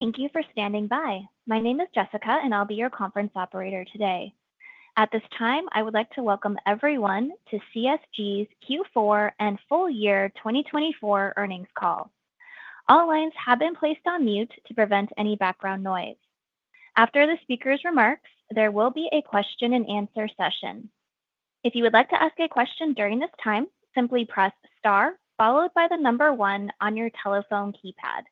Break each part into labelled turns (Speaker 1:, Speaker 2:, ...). Speaker 1: Thank you for standing by. My name is Jessica, and I'll be your conference operator today. At this time, I would like to welcome everyone to CSG's Q4 and Full Year 2024 Earnings Call. All lines have been placed on mute to prevent any background noise. After the speaker's remarks, there will be a question-and-answer session. If you would like to ask a question during this time, simply press star, followed by the number one on your telephone keypad.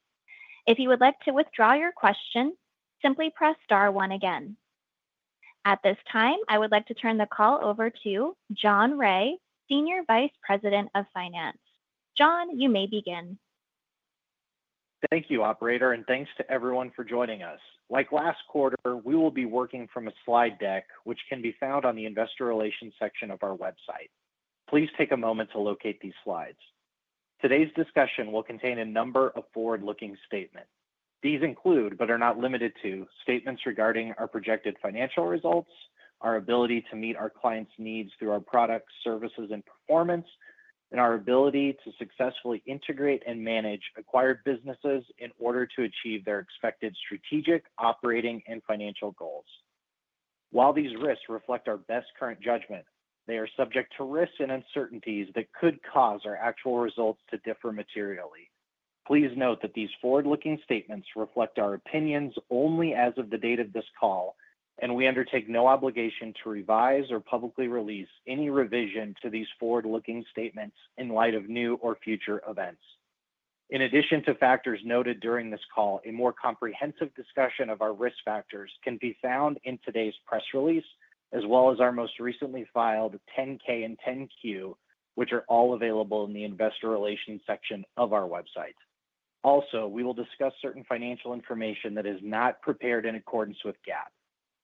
Speaker 1: If you would like to withdraw your question, simply press star one again. At this time, I would like to turn the call over to John Rea, Senior Vice President of Finance. John, you may begin.
Speaker 2: Thank you, operator, and thanks to everyone for joining us. Like last quarter, we will be working from a slide deck, which can be found on the Investor Relations section of our website. Please take a moment to locate these slides. Today's discussion will contain a number of forward-looking statements. These include, but are not limited to, statements regarding our projected financial results, our ability to meet our clients' needs through our products, services, and performance, and our ability to successfully integrate and manage acquired businesses in order to achieve their expected strategic, operating, and financial goals. While these risks reflect our best current judgment, they are subject to risks and uncertainties that could cause our actual results to differ materially. Please note that these forward-looking statements reflect our opinions only as of the date of this call, and we undertake no obligation to revise or publicly release any revision to these forward-looking statements in light of new or future events. In addition to factors noted during this call, a more comprehensive discussion of our risk factors can be found in today's press release, as well as our most recently filed 10-K and 10-Q, which are all available in the Investor Relations section of our website. Also, we will discuss certain financial information that is not prepared in accordance with GAAP.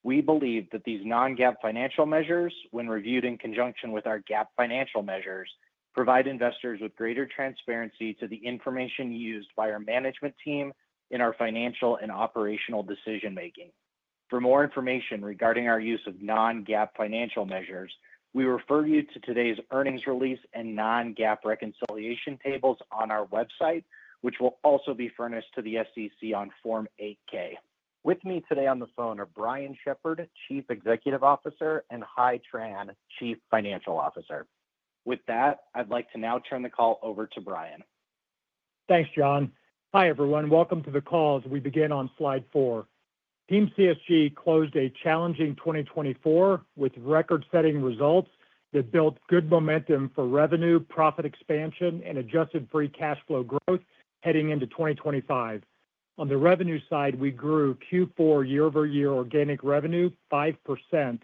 Speaker 2: We believe that these non-GAAP financial measures, when reviewed in conjunction with our GAAP financial measures, provide investors with greater transparency to the information used by our management team in our financial and operational decision-making. For more information regarding our use of non-GAAP financial measures, we refer you to today's earnings release and non-GAAP reconciliation tables on our website, which will also be furnished to the SEC on Form 8-K. With me today on the phone are Brian Shepherd, Chief Executive Officer, and Hai Tran, Chief Financial Officer. With that, I'd like to now turn the call over to Brian.
Speaker 3: Thanks, John. Hi, everyone. Welcome to the call as we begin on slide four. Team CSG closed a challenging 2024 with record-setting results that built good momentum for revenue, profit expansion, and adjusted free cash flow growth heading into 2025. On the revenue side, we grew Q4 year-over-year organic revenue 5%,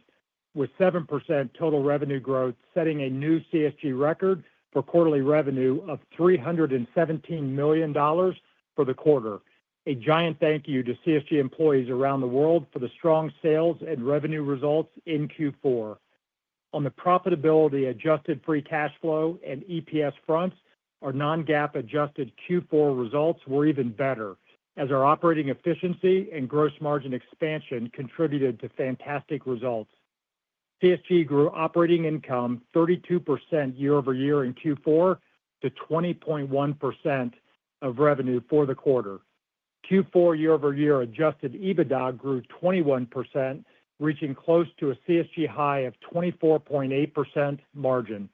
Speaker 3: with 7% total revenue growth setting a new CSG record for quarterly revenue of $317 million for the quarter. A giant thank you to CSG employees around the world for the strong sales and revenue results in Q4. On the profitability, adjusted free cash flow and EPS fronts, our non-GAAP adjusted Q4 results were even better, as our operating efficiency and gross margin expansion contributed to fantastic results. CSG grew operating income 32% year-over-year in Q4 to 20.1% of revenue for the quarter. Q4 year-over-year adjusted EBITDA grew 21%, reaching close to a CSG high of 24.8% margin.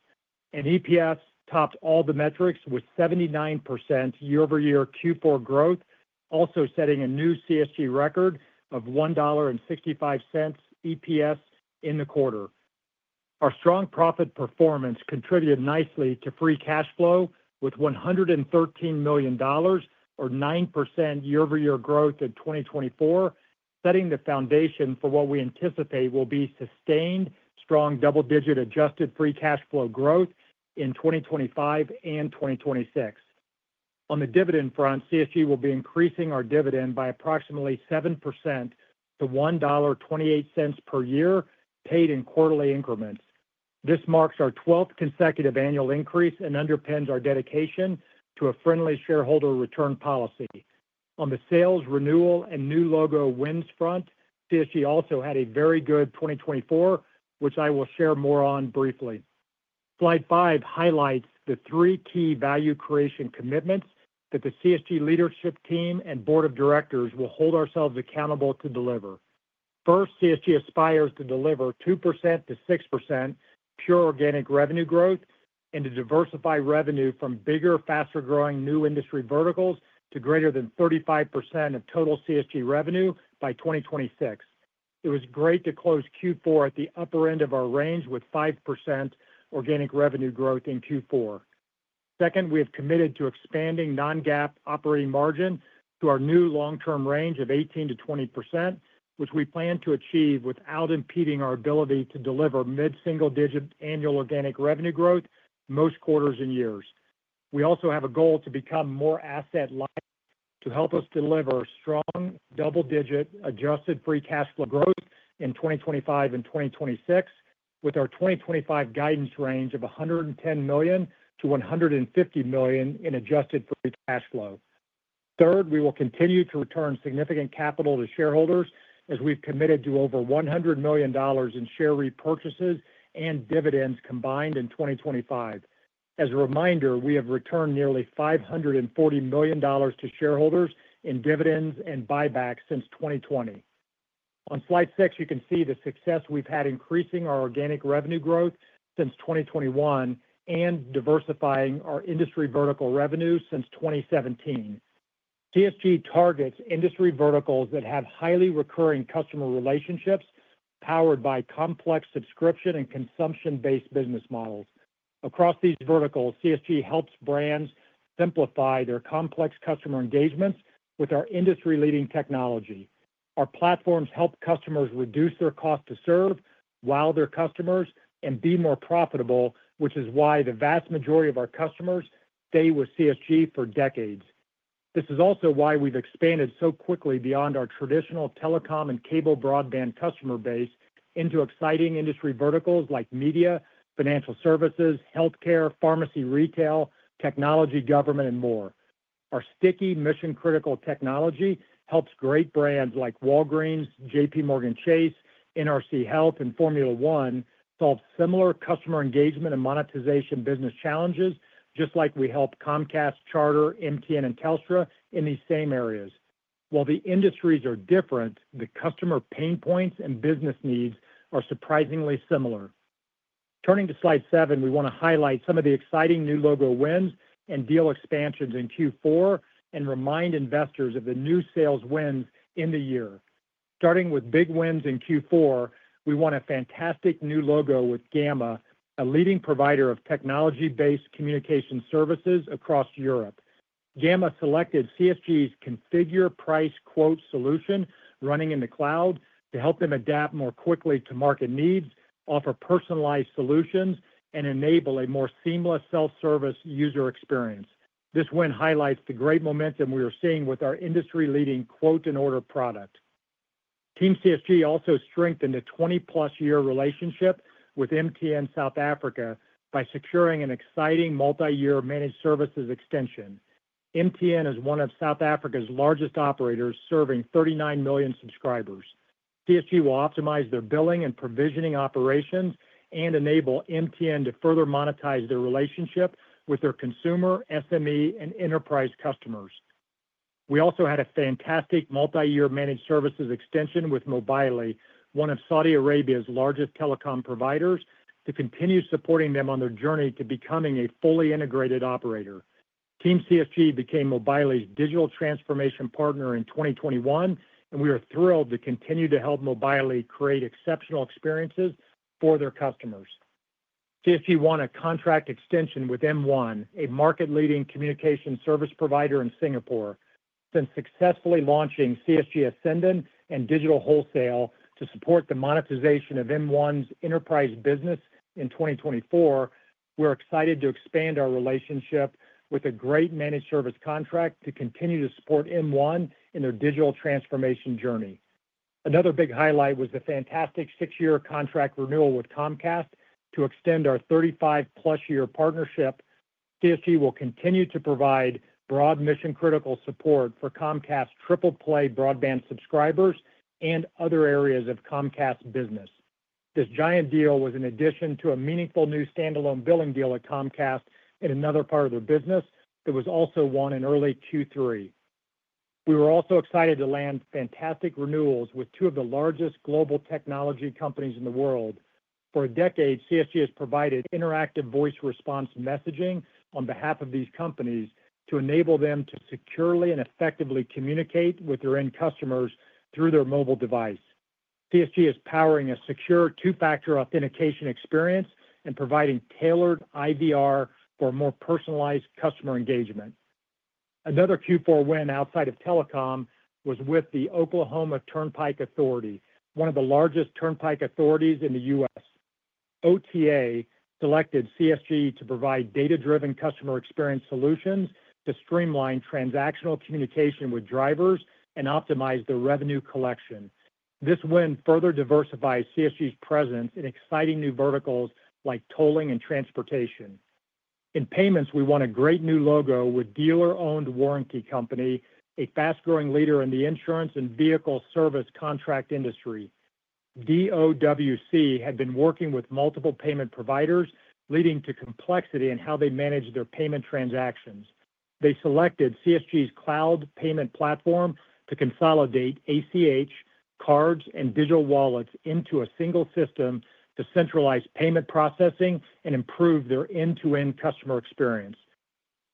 Speaker 3: And EPS topped all the metrics with 79% year-over-year Q4 growth, also setting a new CSG record of $1.65 EPS in the quarter. Our strong profit performance contributed nicely to free cash flow with $113 million, or 9% year-over-year growth in 2024, setting the foundation for what we anticipate will be sustained strong double-digit adjusted free cash flow growth in 2025 and 2026. On the dividend front, CSG will be increasing our dividend by approximately 7% to $1.28 per year, paid in quarterly increments. This marks our 12th consecutive annual increase and underpins our dedication to a friendly shareholder return policy. On the sales, renewal, and new logo wins front, CSG also had a very good 2024, which I will share more on briefly. Slide five highlights the three key value creation commitments that the CSG leadership team and board of directors will hold ourselves accountable to deliver. First, CSG aspires to deliver 2%-6% pure organic revenue growth and to diversify revenue from bigger, faster-growing new industry verticals to greater than 35% of total CSG revenue by 2026. It was great to close Q4 at the upper end of our range with 5% organic revenue growth in Q4. Second, we have committed to expanding non-GAAP operating margin to our new long-term range of 18%-20%, which we plan to achieve without impeding our ability to deliver mid-single-digit annual organic revenue growth most quarters and years. We also have a goal to become more asset-light to help us deliver strong double-digit adjusted free cash flow growth in 2025 and 2026, with our 2025 guidance range of $110 million-$150 million in adjusted free cash flow. Third, we will continue to return significant capital to shareholders, as we've committed to over $100 million in share repurchases and dividends combined in 2025. As a reminder, we have returned nearly $540 million to shareholders in dividends and buybacks since 2020. On slide six, you can see the success we've had increasing our organic revenue growth since 2021 and diversifying our industry vertical revenue since 2017. CSG targets industry verticals that have highly recurring customer relationships powered by complex subscription and consumption-based business models. Across these verticals, CSG helps brands simplify their complex customer engagements with our industry-leading technology. Our platforms help customers reduce their cost to serve while they're customers and be more profitable, which is why the vast majority of our customers stay with CSG for decades. This is also why we've expanded so quickly beyond our traditional telecom and cable broadband customer base into exciting industry verticals like media, financial services, healthcare, pharmacy retail, technology, government, and more. Our sticky, mission-critical technology helps great brands like Walgreens, JPMorgan Chase, NRC Health, and Formula 1 solve similar customer engagement and monetization business challenges, just like we help Comcast, Charter, MTN, and Telstra in these same areas. While the industries are different, the customer pain points and business needs are surprisingly similar. Turning to slide seven, we want to highlight some of the exciting new logo wins and deal expansions in Q4 and remind investors of the new sales wins in the year. Starting with big wins in Q4, we won a fantastic new logo with Gamma, a leading provider of technology-based communication services across Europe. Gamma selected CSG's Configure Price Quote solution running in the cloud to help them adapt more quickly to market needs, offer personalized solutions, and enable a more seamless self-service user experience. This win highlights the great momentum we are seeing with our industry-leading quote-and-order product. Team CSG also strengthened a 20-plus-year relationship with MTN South Africa by securing an exciting multi-year managed services extension. MTN is one of South Africa's largest operators, serving 39 million subscribers. CSG will optimize their billing and provisioning operations and enable MTN to further monetize their relationship with their consumer, SME, and enterprise customers. We also had a fantastic multi-year managed services extension with Mobily, one of Saudi Arabia's largest telecom providers, to continue supporting them on their journey to becoming a fully integrated operator. Team CSG became Mobily's digital transformation partner in 2021, and we are thrilled to continue to help Mobily create exceptional experiences for their customers. CSG won a contract extension with M1, a market-leading communication service provider in Singapore. Since successfully launching CSG Ascendon and Digital Wholesale to support the monetization of M1's enterprise business in 2024, we're excited to expand our relationship with a great managed service contract to continue to support M1 in their digital transformation journey. Another big highlight was the fantastic six-year contract renewal with Comcast to extend our 35-plus-year partnership. CSG will continue to provide broad mission-critical support for Comcast triple-play broadband subscribers and other areas of Comcast business. This giant deal was in addition to a meaningful new standalone billing deal at Comcast in another part of their business that was also won in early Q3. We were also excited to land fantastic renewals with two of the largest global technology companies in the world. For a decade, CSG has provided interactive voice response messaging on behalf of these companies to enable them to securely and effectively communicate with their end customers through their mobile device. CSG is powering a secure two-factor authentication experience and providing tailored IVR for more personalized customer engagement. Another Q4 win outside of telecom was with the Oklahoma Turnpike Authority, one of the largest turnpike authorities in the U.S. OTA selected CSG to provide data-driven customer experience solutions to streamline transactional communication with drivers and optimize their revenue collection. This win further diversifies CSG's presence in exciting new verticals like tolling and transportation. In payments, we won a great new logo with Dealer-Owned Warranty Company, a fast-growing leader in the insurance and vehicle service contract industry. DOWC had been working with multiple payment providers, leading to complexity in how they manage their payment transactions. They selected CSG's cloud payment platform to consolidate ACH, cards, and digital wallets into a single system to centralize payment processing and improve their end-to-end customer experience.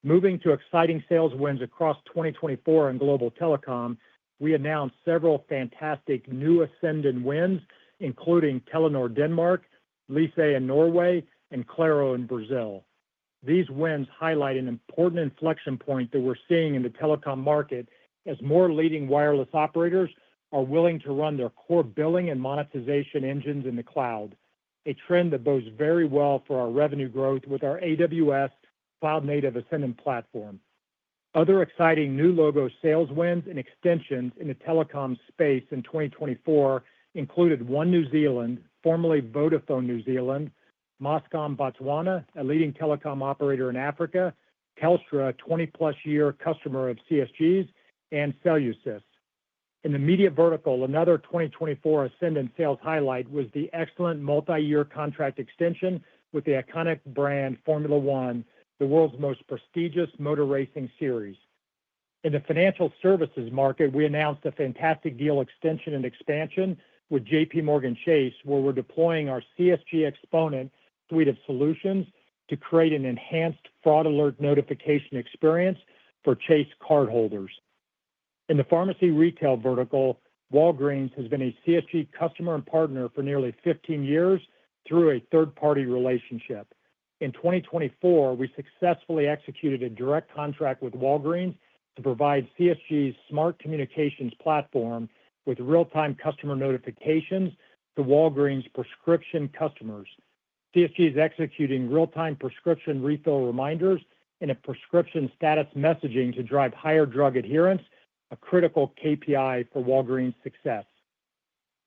Speaker 3: Moving to exciting sales wins across 2024 in global telecom, we announced several fantastic new Ascendon wins, including Telenor Denmark, Lyse in Norway, and Claro in Brazil. These wins highlight an important inflection point that we're seeing in the telecom market as more leading wireless operators are willing to run their core billing and monetization engines in the cloud, a trend that bodes very well for our revenue growth with our AWS cloud-native Ascendon platform. Other exciting new logo sales wins and extensions in the telecom space in 2024 included One New Zealand, formerly Vodafone New Zealand, Mascom Botswana, a leading telecom operator in Botswana, Telstra, 20-plus-year customer of CSG's, and Cellusys. In the media vertical, another 2024 Ascendon sales highlight was the excellent multi-year contract extension with the iconic brand Formula 1, the world's most prestigious motor racing series. In the financial services market, we announced a fantastic deal extension and expansion with JPMorgan Chase, where we're deploying our CSG Xponent suite of solutions to create an enhanced fraud alert notification experience for Chase cardholders. In the pharmacy retail vertical, Walgreens has been a CSG customer and partner for nearly 15 years through a third-party relationship. In 2024, we successfully executed a direct contract with Walgreens to provide CSG's Smart Communications platform with real-time customer notifications to Walgreens' prescription customers. CSG is executing real-time prescription refill reminders and a prescription status messaging to drive higher drug adherence, a critical KPI for Walgreens' success.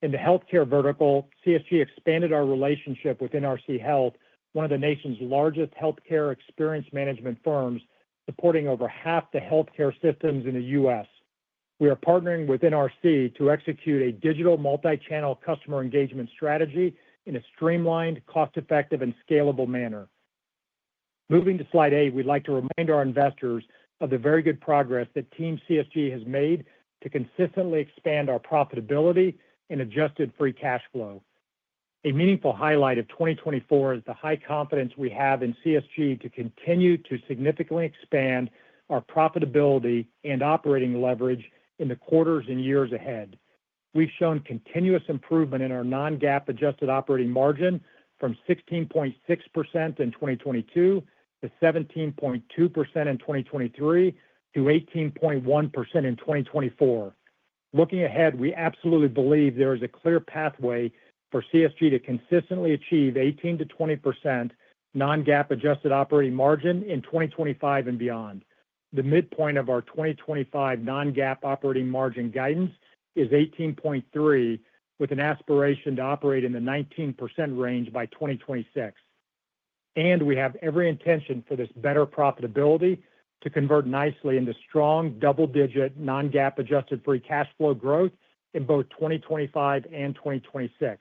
Speaker 3: In the healthcare vertical, CSG expanded our relationship with NRC Health, one of the nation's largest healthcare experience management firms, supporting over half the healthcare systems in the U.S. We are partnering with NRC to execute a digital multi-channel customer engagement strategy in a streamlined, cost-effective, and scalable manner. Moving to slide eight, we'd like to remind our investors of the very good progress that Team CSG has made to consistently expand our profitability and adjusted free cash flow. A meaningful highlight of 2024 is the high confidence we have in CSG to continue to significantly expand our profitability and operating leverage in the quarters and years ahead. We've shown continuous improvement in our non-GAAP adjusted operating margin from 16.6% in 2022 to 17.2% in 2023 to 18.1% in 2024. Looking ahead, we absolutely believe there is a clear pathway for CSG to consistently achieve 18%-20% non-GAAP adjusted operating margin in 2025 and beyond. The midpoint of our 2025 non-GAAP operating margin guidance is 18.3%, with an aspiration to operate in the 19% range by 2026, and we have every intention for this better profitability to convert nicely into strong double-digit non-GAAP adjusted free cash flow growth in both 2025 and 2026,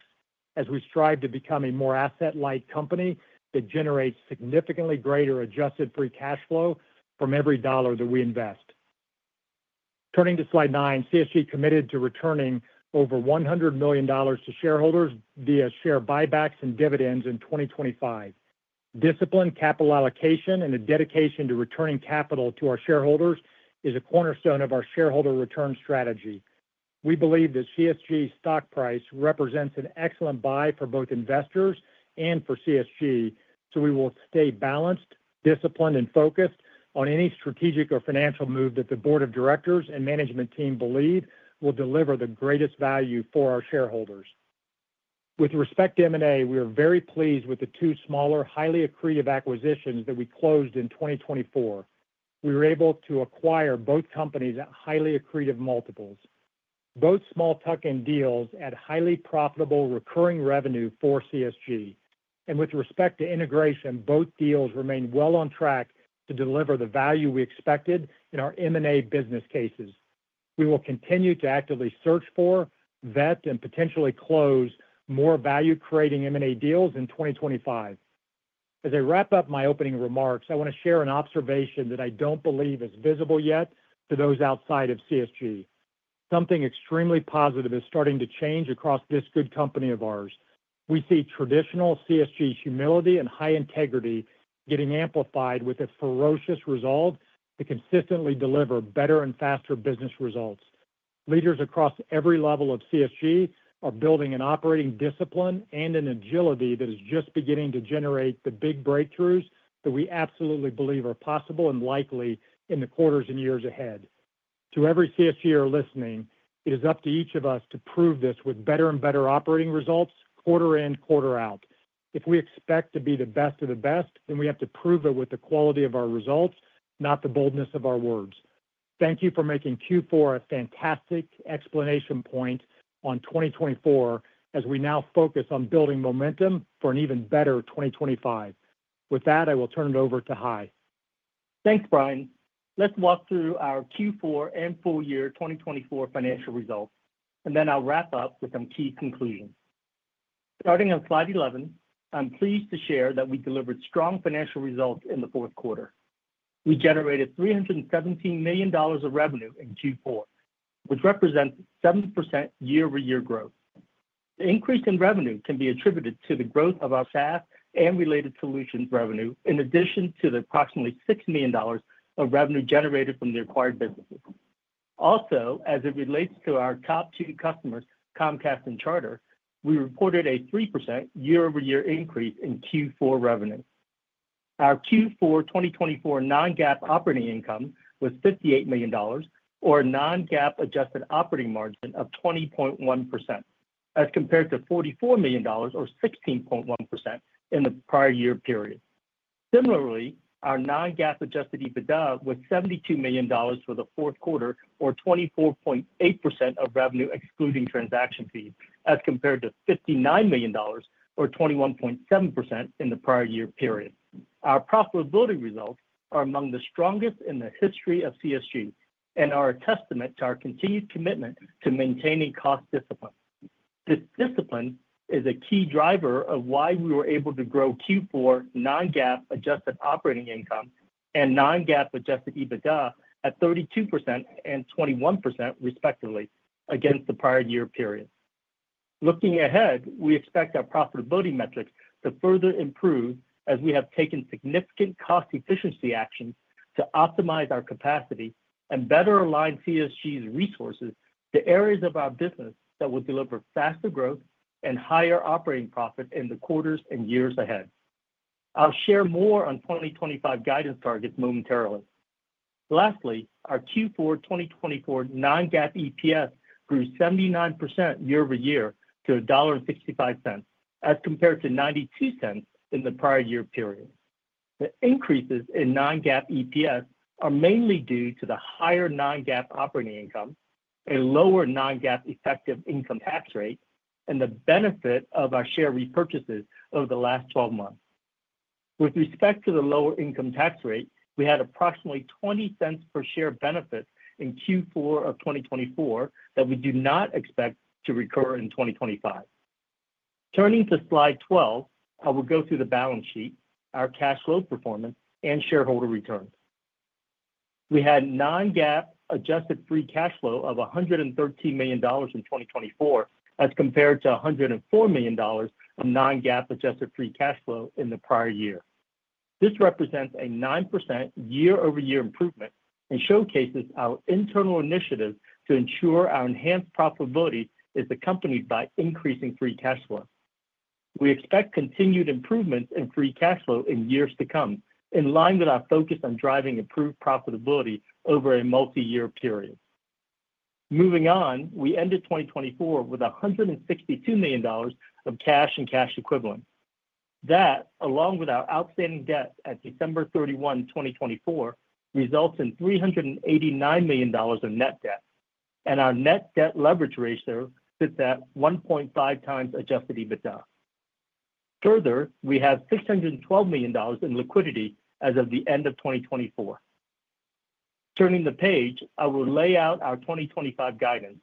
Speaker 3: as we strive to become a more asset-light company that generates significantly greater adjusted free cash flow from every dollar that we invest. Turning to slide nine, CSG committed to returning over $100 million to shareholders via share buybacks and dividends in 2025. Discipline, capital allocation, and a dedication to returning capital to our shareholders is a cornerstone of our shareholder return strategy. We believe that CSG's stock price represents an excellent buy for both investors and for CSG, so we will stay balanced, disciplined, and focused on any strategic or financial move that the board of directors and management team believe will deliver the greatest value for our shareholders. With respect to M&A, we are very pleased with the two smaller, highly accretive acquisitions that we closed in 2024. We were able to acquire both companies at highly accretive multiples. Both small-tuck-in deals add highly profitable recurring revenue for CSG. And with respect to integration, both deals remain well on track to deliver the value we expected in our M&A business cases. We will continue to actively search for, vet, and potentially close more value-creating M&A deals in 2025. As I wrap up my opening remarks, I want to share an observation that I don't believe is visible yet to those outside of CSG. Something extremely positive is starting to change across this good company of ours. We see traditional CSG humility and high integrity getting amplified with a ferocious resolve to consistently deliver better and faster business results. Leaders across every level of CSG are building an operating discipline and an agility that is just beginning to generate the big breakthroughs that we absolutely believe are possible and likely in the quarters and years ahead. To every CSGer listening, it is up to each of us to prove this with better and better operating results quarter in, quarter out. If we expect to be the best of the best, then we have to prove it with the quality of our results, not the boldness of our words. Thank you for making Q4 a fantastic exclamation point on 2024 as we now focus on building momentum for an even better 2025. With that, I will turn it over to Hai.
Speaker 4: Thanks, Brian. Let's walk through our Q4 and full year 2024 financial results, and then I'll wrap up with some key conclusions. Starting on slide 11, I'm pleased to share that we delivered strong financial results in the fourth quarter. We generated $317 million of revenue in Q4, which represents 7% year-over-year growth. The increase in revenue can be attributed to the growth of our SaaS and related solutions revenue, in addition to the approximately $6 million of revenue generated from the acquired businesses. Also, as it relates to our top two customers, Comcast and Charter, we reported a 3% year-over-year increase in Q4 revenue. Our Q4 2024 non-GAAP operating income was $58 million, or a non-GAAP adjusted operating margin of 20.1%, as compared to $44 million, or 16.1%, in the prior year period. Similarly, our non-GAAP adjusted EBITDA was $72 million for the fourth quarter, or 24.8% of revenue excluding transaction fees, as compared to $59 million, or 21.7%, in the prior year period. Our profitability results are among the strongest in the history of CSG and are a testament to our continued commitment to maintaining cost discipline. This discipline is a key driver of why we were able to grow Q4 non-GAAP adjusted operating income and non-GAAP adjusted EBITDA at 32% and 21%, respectively, against the prior year period. Looking ahead, we expect our profitability metrics to further improve as we have taken significant cost efficiency actions to optimize our capacity and better align CSG's resources to areas of our business that will deliver faster growth and higher operating profit in the quarters and years ahead. I'll share more on 2025 guidance targets momentarily. Lastly, our Q4 2024 non-GAAP EPS grew 79% year-over-year to $1.65, as compared to $0.92 in the prior year period. The increases in non-GAAP EPS are mainly due to the higher non-GAAP operating income, a lower non-GAAP effective income tax rate, and the benefit of our share repurchases over the last 12 months. With respect to the lower income tax rate, we had approximately $0.20 per share benefit in Q4 of 2024 that we do not expect to recur in 2025. Turning to slide 12, I will go through the balance sheet, our cash flow performance, and shareholder returns. We had non-GAAP adjusted free cash flow of $113 million in 2024, as compared to $104 million of non-GAAP adjusted free cash flow in the prior year. This represents a 9% year-over-year improvement and showcases our internal initiative to ensure our enhanced profitability is accompanied by increasing free cash flow. We expect continued improvements in free cash flow in years to come, in line with our focus on driving improved profitability over a multi-year period. Moving on, we ended 2024 with $162 million of cash and cash equivalents. That, along with our outstanding debt at December 31, 2024, results in $389 million of net debt, and our net debt leverage ratio sits at 1.5 times adjusted EBITDA. Further, we have $612 million in liquidity as of the end of 2024. Turning the page, I will lay out our 2025 guidance.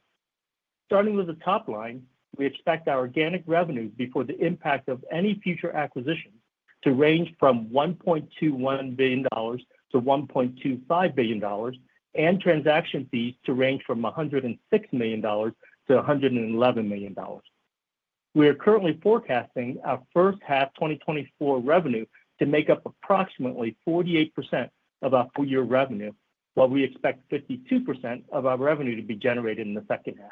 Speaker 4: Starting with the top line, we expect our organic revenues before the impact of any future acquisitions to range from $1.21 billion-$1.25 billion, and transaction fees to range from $106 million-$111 million. We are currently forecasting our first half 2024 revenue to make up approximately 48% of our full year revenue, while we expect 52% of our revenue to be generated in the second half.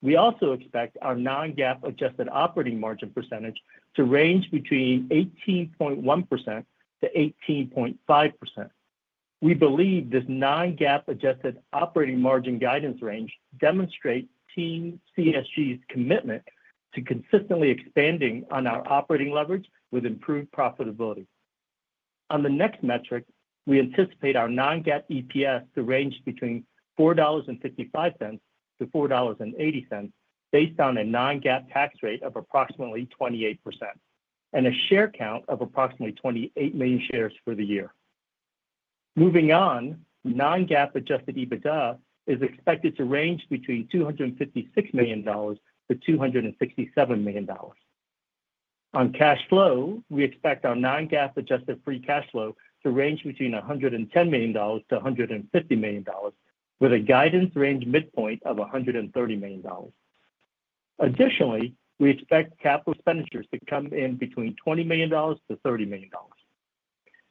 Speaker 4: We also expect our non-GAAP adjusted operating margin percentage to range between 18.1%-18.5%. We believe this non-GAAP adjusted operating margin guidance range demonstrates Team CSG's commitment to consistently expanding on our operating leverage with improved profitability. On the next metric, we anticipate our non-GAAP EPS to range between $4.55-$4.80, based on a non-GAAP tax rate of approximately 28%, and a share count of approximately 28 million shares for the year. Moving on, non-GAAP adjusted EBITDA is expected to range between $256 million-$267 million. On cash flow, we expect our non-GAAP adjusted free cash flow to range between $110 million-$150 million, with a guidance range midpoint of $130 million. Additionally, we expect capital expenditures to come in between $20 million-$30 million,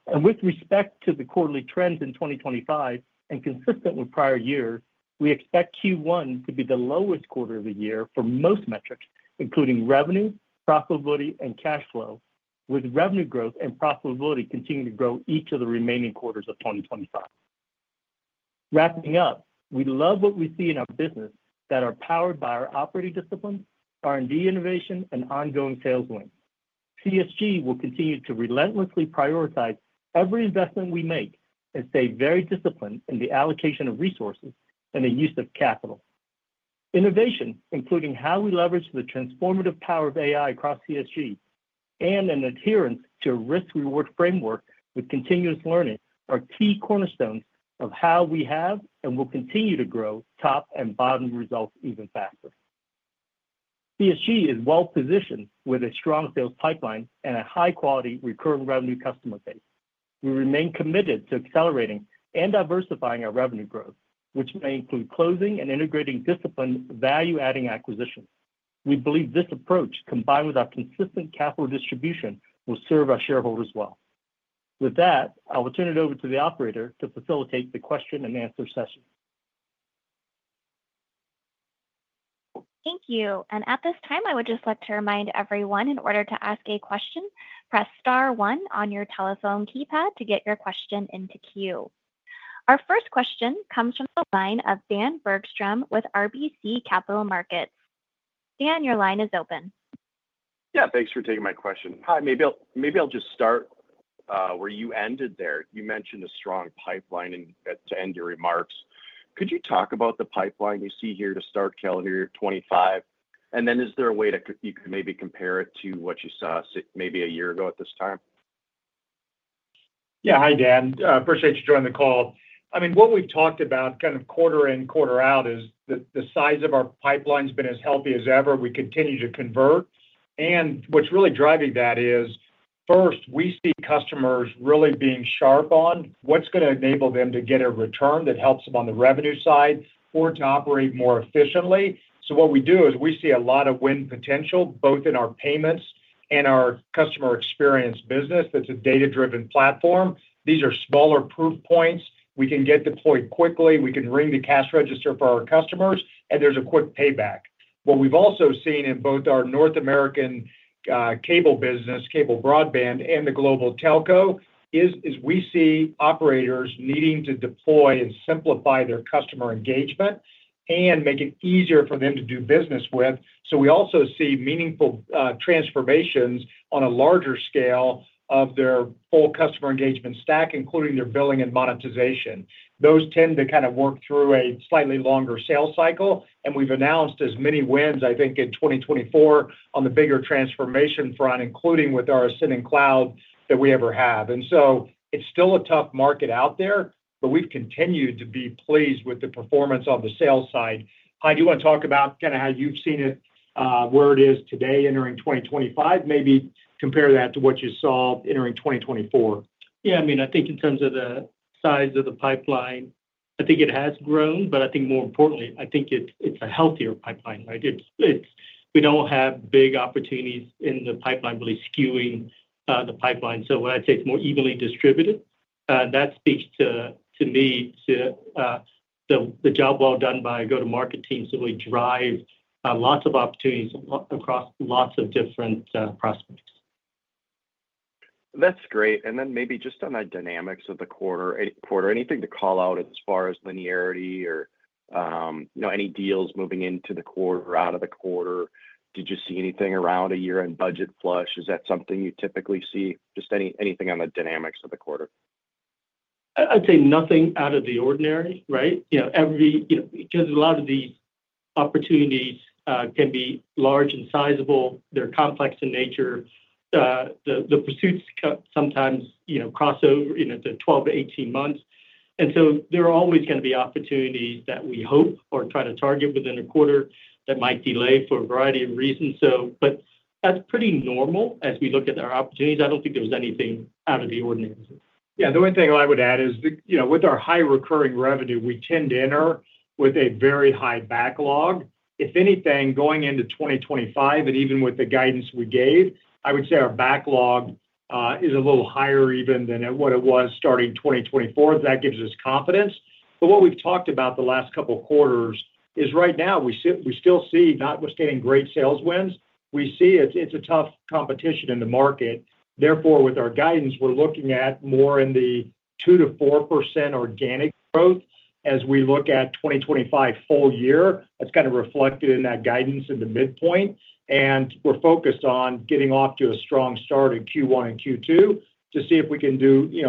Speaker 4: and with respect to the quarterly trends in 2025, and consistent with prior years, we expect Q1 to be the lowest quarter of the year for most metrics, including revenue, profitability, and cash flow, with revenue growth and profitability continuing to grow each of the remaining quarters of 2025. Wrapping up, we love what we see in our business that are powered by our operating discipline, R&D innovation, and ongoing sales wins. CSG will continue to relentlessly prioritize every investment we make and stay very disciplined in the allocation of resources and the use of capital. Innovation, including how we leverage the transformative power of AI across CSG, and an adherence to a risk-reward framework with continuous learning, are key cornerstones of how we have and will continue to grow top and bottom results even faster. CSG is well-positioned with a strong sales pipeline and a high-quality recurring revenue customer base. We remain committed to accelerating and diversifying our revenue growth, which may include closing and integrating disciplined value-adding acquisitions. We believe this approach, combined with our consistent capital distribution, will serve our shareholders well. With that, I will turn it over to the operator to facilitate the question and answer session.
Speaker 1: Thank you. And at this time, I would just like to remind everyone, in order to ask a question, press star one on your telephone keypad to get your question into queue. Our first question comes from the line of Dan Bergstrom with RBC Capital Markets. Dan, your line is open.
Speaker 5: Yeah, thanks for taking my question. Hi, maybe I'll just start where you ended there. You mentioned a strong pipeline to end your remarks. Could you talk about the pipeline you see here to start calendar year 2025? And then is there a way that you can maybe compare it to what you saw maybe a year ago at this time?
Speaker 3: Yeah, hi, Dan. Appreciate you joining the call. I mean, what we've talked about kind of quarter in, quarter out is that the size of our pipeline has been as healthy as ever. We continue to convert, and what's really driving that is, first, we see customers really being sharp on what's going to enable them to get a return that helps them on the revenue side or to operate more efficiently, so what we do is we see a lot of win potential, both in our payments and our customer experience business that's a data-driven platform. These are smaller proof points. We can get deployed quickly. We can ring the cash register for our customers, and there's a quick payback. What we've also seen in both our North American cable business, cable broadband, and the global telco is we see operators needing to deploy and simplify their customer engagement and make it easier for them to do business with. So we also see meaningful transformations on a larger scale of their full customer engagement stack, including their billing and monetization. Those tend to kind of work through a slightly longer sales cycle. And we've announced as many wins, I think, in 2024 on the bigger transformation front, including with our Ascendon cloud that we ever have. And so it's still a tough market out there, but we've continued to be pleased with the performance on the sales side. Hai, do you want to talk about kind of how you've seen it, where it is today entering 2025, maybe compare that to what you saw entering 2024?
Speaker 4: Yeah, I mean, I think in terms of the size of the pipeline, I think it has grown, but I think more importantly, I think it's a healthier pipeline. We don't have big opportunities in the pipeline, really skewing the pipeline. So when I say it's more evenly distributed, that speaks to me to the job well done by our go-to-market team. So we drive lots of opportunities across lots of different prospects.
Speaker 5: That's great. And then maybe just on that dynamics of the quarter, anything to call out as far as linearity or any deals moving into the quarter, out of the quarter? Did you see anything around a year-end budget flush? Is that something you typically see? Just anything on the dynamics of the quarter?
Speaker 4: I'd say nothing out of the ordinary, right? Because a lot of these opportunities can be large and sizable. They're complex in nature. The pursuits sometimes cross over into 12-18 months. And so there are always going to be opportunities that we hope or try to target within a quarter that might delay for a variety of reasons. But that's pretty normal as we look at our opportunities. I don't think there was anything out of the ordinary.
Speaker 3: Yeah, the only thing I would add is with our high recurring revenue, we tend to enter with a very high backlog. If anything, going into 2025, and even with the guidance we gave, I would say our backlog is a little higher even than what it was starting 2024. That gives us confidence. But what we've talked about the last couple of quarters is right now, we still see notwithstanding great sales wins, we see it's a tough competition in the market. Therefore, with our guidance, we're looking at more in the 2%-4% organic growth as we look at 2025 full year. That's kind of reflected in that guidance in the midpoint. And we're focused on getting off to a strong start in Q1 and Q2 to see if we can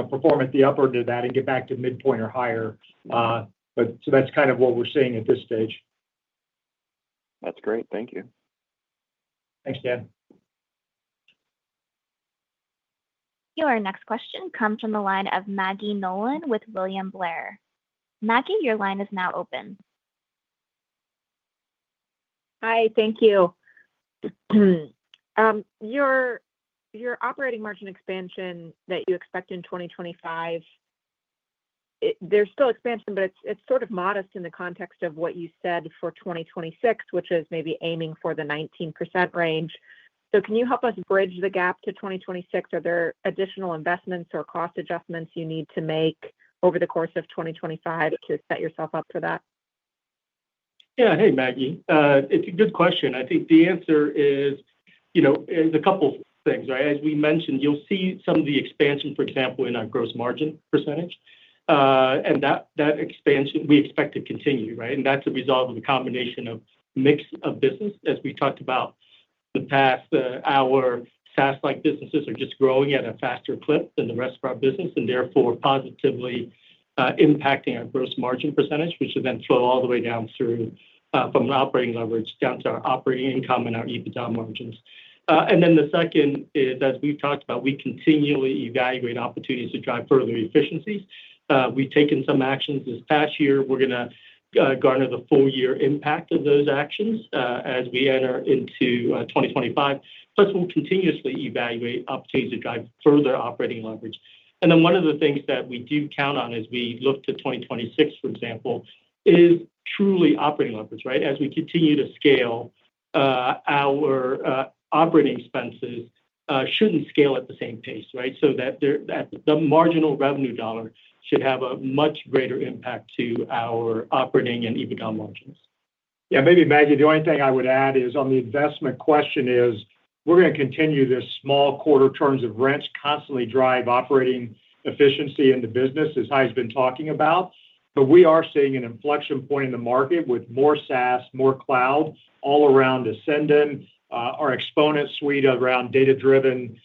Speaker 3: perform at the upper end of that and get back to midpoint or higher. But so that's kind of what we're seeing at this stage.
Speaker 5: That's great. Thank you.
Speaker 3: Thanks, Dan.
Speaker 1: Your next question comes from the line of Maggie Nolan with William Blair. Maggie, your line is now open.
Speaker 6: Hi, thank you. Your operating margin expansion that you expect in 2025, there's still expansion, but it's sort of modest in the context of what you said for 2026, which is maybe aiming for the 19% range. So can you help us bridge the gap to 2026? Are there additional investments or cost adjustments you need to make over the course of 2025 to set yourself up for that?
Speaker 4: Yeah, hey, Maggie. It's a good question. I think the answer is a couple of things, right? As we mentioned, you'll see some of the expansion, for example, in our gross margin percentage. And that expansion, we expect to continue, right? And that's a result of a combination of mix of business, as we talked about in the past. Our SaaS-like businesses are just growing at a faster clip than the rest of our business, and therefore positively impacting our gross margin percentage, which will then flow all the way down from our operating leverage down to our operating income and our EBITDA margins. And then the second is, as we've talked about, we continually evaluate opportunities to drive further efficiencies. We've taken some actions this past year. We're going to garner the full year impact of those actions as we enter into 2025. Plus, we'll continuously evaluate opportunities to drive further operating leverage. And then one of the things that we do count on as we look to 2026, for example, is truly operating leverage, right? As we continue to scale, our operating expenses shouldn't scale at the same pace, right? So that the marginal revenue dollar should have a much greater impact to our operating and EBITDA margins.
Speaker 3: Yeah, maybe, Maggie, the only thing I would add is on the investment question, we're going to continue these small quarterly turns of the wrench constantly drive operating efficiency in the business, as Hai has been talking about. But we are seeing an inflection point in the market with more SaaS, more cloud all around Ascendon, our Xponent suite around data-driven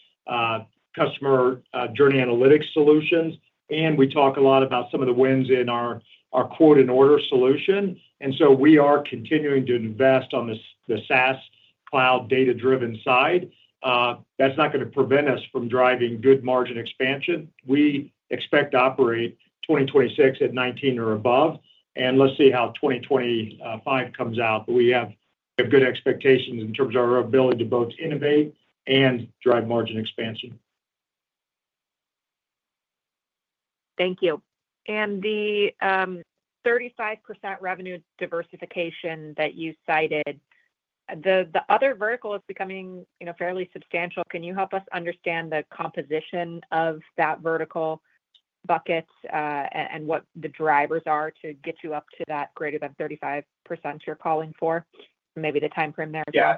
Speaker 3: customer journey analytics solutions. We talk a lot about some of the wins in our quote and order solution. We are continuing to invest on the SaaS cloud data-driven side. That's not going to prevent us from driving good margin expansion. We expect to operate 2026 at 19 or above. Let's see how 2025 comes out. We have good expectations in terms of our ability to both innovate and drive margin expansion.
Speaker 6: Thank you. The 35% revenue diversification that you cited, the other vertical is becoming fairly substantial. Can you help us understand the composition of that vertical buckets and what the drivers are to get you up to that greater than 35% you're calling for? Maybe the time frame there as well.
Speaker 3: Yeah.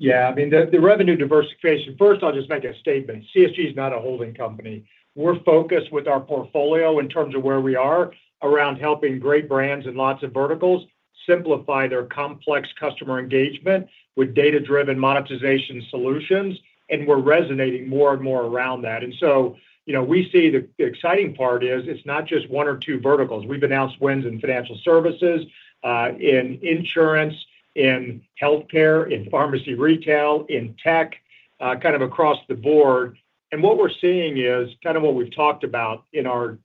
Speaker 3: Yeah, I mean, the revenue diversification, first, I'll just make a statement. CSG is not a holding company. We're focused with our portfolio in terms of where we are around helping great brands in lots of verticals simplify their complex customer engagement with data-driven monetization solutions. And we're resonating more and more around that. And so we see the exciting part is it's not just one or two verticals. We've announced wins in financial services, in insurance, in healthcare, in pharmacy retail, in tech, kind of across the board. And what we're seeing is kind of what we've talked about in our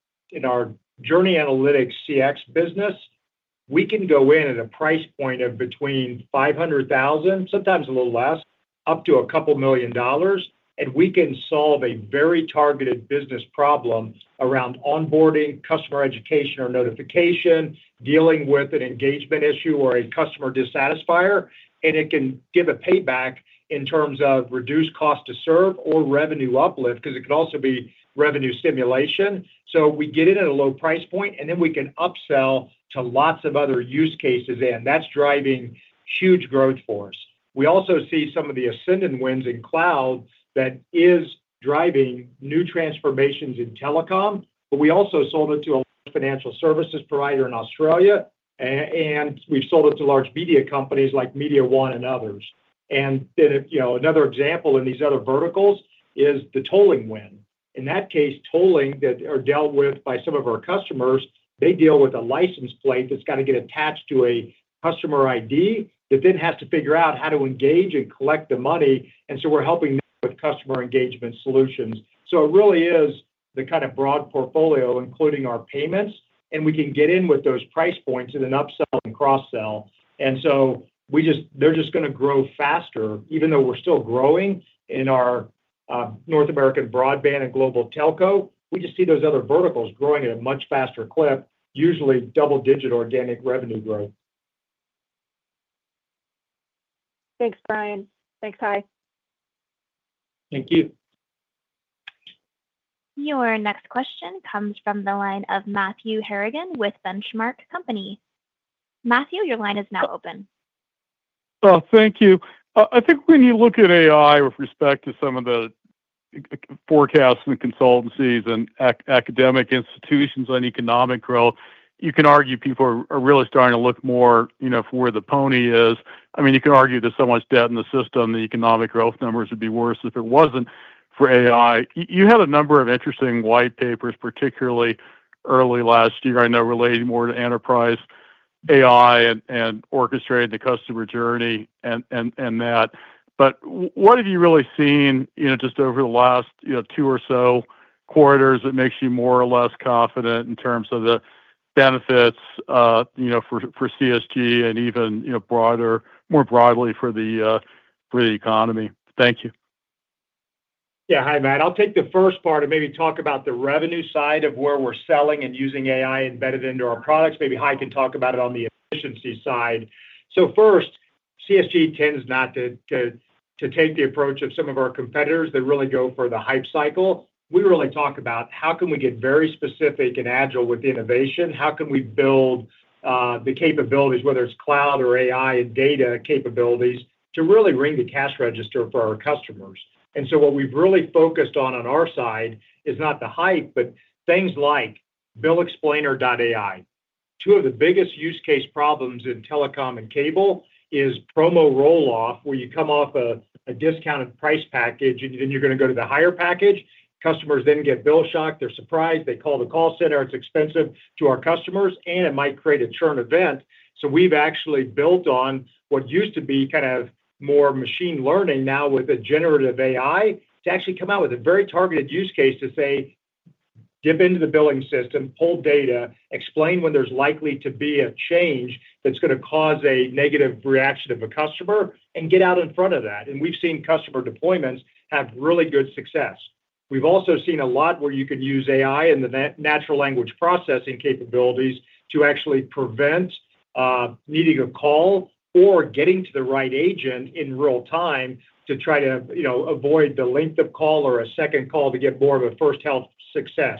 Speaker 3: journey analytics CX business. We can go in at a price point of between $500,000, sometimes a little less, up to $2 million. And we can solve a very targeted business problem around onboarding, customer education or notification, dealing with an engagement issue or a customer dissatisfier. It can give a payback in terms of reduced cost to serve or revenue uplift because it could also be revenue stimulation. We get in at a low price point, and then we can upsell to lots of other use cases, and that's driving huge growth for us. We also see some of the Ascendon wins in cloud that is driving new transformations in telecom. We also sold it to a large financial services provider in Australia. We've sold it to large media companies like MediaOne and others. Another example in these other verticals is the tolling win. In that case, tolling that are dealt with by some of our customers, they deal with a license plate that's got to get attached to a customer ID that then has to figure out how to engage and collect the money. And so we're helping them with customer engagement solutions. So it really is the kind of broad portfolio, including our payments. And we can get in with those price points in an upsell and cross-sell. And so they're just going to grow faster, even though we're still growing in our North American broadband and global telco. We just see those other verticals growing at a much faster clip, usually double-digit organic revenue growth.
Speaker 6: Thanks, Brian. Thanks, Hai.
Speaker 3: Thank you.
Speaker 1: Your next question comes from the line of Matthew Harrigan with Benchmark Company. Matthew, your line is now open.
Speaker 7: Thank you. I think when you look at AI with respect to some of the forecasts and consultancies and academic institutions on economic growth, you can argue people are really starting to look more for where the pony is. I mean, you can argue there's so much debt in the system that economic growth numbers would be worse if it wasn't for AI. You had a number of interesting white papers, particularly early last year, I know, relating more to enterprise AI and orchestrating the customer journey and that. But what have you really seen just over the last two or so quarters that makes you more or less confident in terms of the benefits for CSG and even more broadly for the economy? Thank you.
Speaker 3: Yeah, hi, Matt. I'll take the first part and maybe talk about the revenue side of where we're selling and using AI embedded into our products. Maybe Hai can talk about it on the efficiency side. So first, CSG tends not to take the approach of some of our competitors that really go for the hype cycle. We really talk about how can we get very specific and agile with innovation? How can we build the capabilities, whether it's cloud or AI and data capabilities, to really ring the cash register for our customers? And so what we've really focused on our side is not the hype, but things like Bill Explainer.ai. Two of the biggest use case problems in telecom and cable is promo rolloff, where you come off a discounted price package, and then you're going to go to the higher package. Customers then get bill-shocked. They're surprised. They call the call center. It's expensive to our customers, and it might create a churn event. So we've actually built on what used to be kind of more machine learning now with a Generative AI to actually come out with a very targeted use case to say, "Dip into the billing system, pull data, explain when there's likely to be a change that's going to cause a negative reaction of a customer, and get out in front of that." And we've seen customer deployments have really good success. We've also seen a lot where you can use AI and the natural language processing capabilities to actually prevent needing a call or getting to the right agent in real time to try to avoid the length of call or a second call to get more of a first-help success.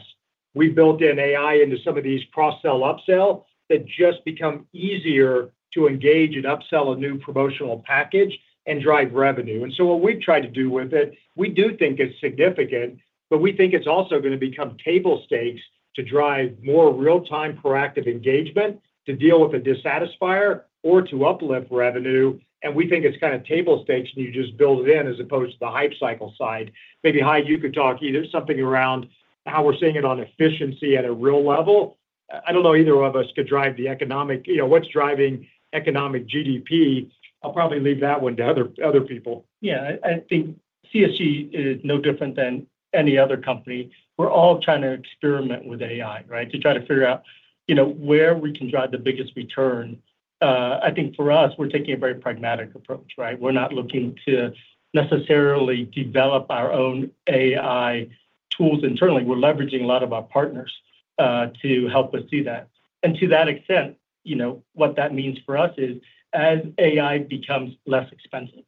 Speaker 3: We built in AI into some of these cross-sell upsell that just become easier to engage and upsell a new promotional package and drive revenue. And so what we've tried to do with it, we do think it's significant, but we think it's also going to become table stakes to drive more real-time proactive engagement to deal with a dissatisfier or to uplift revenue. And we think it's kind of table stakes, and you just build it in as opposed to the hype cycle side. Maybe Hai, you could talk either something around how we're seeing it on efficiency at a real level. I don't know either of us could drive the economic what's driving economic GDP. I'll probably leave that one to other people.
Speaker 4: Yeah, I think CSG is no different than any other company. We're all trying to experiment with AI, right, to try to figure out where we can drive the biggest return. I think for us, we're taking a very pragmatic approach, right? We're not looking to necessarily develop our own AI tools internally. We're leveraging a lot of our partners to help us do that. And to that extent, what that means for us is as AI becomes less expensive,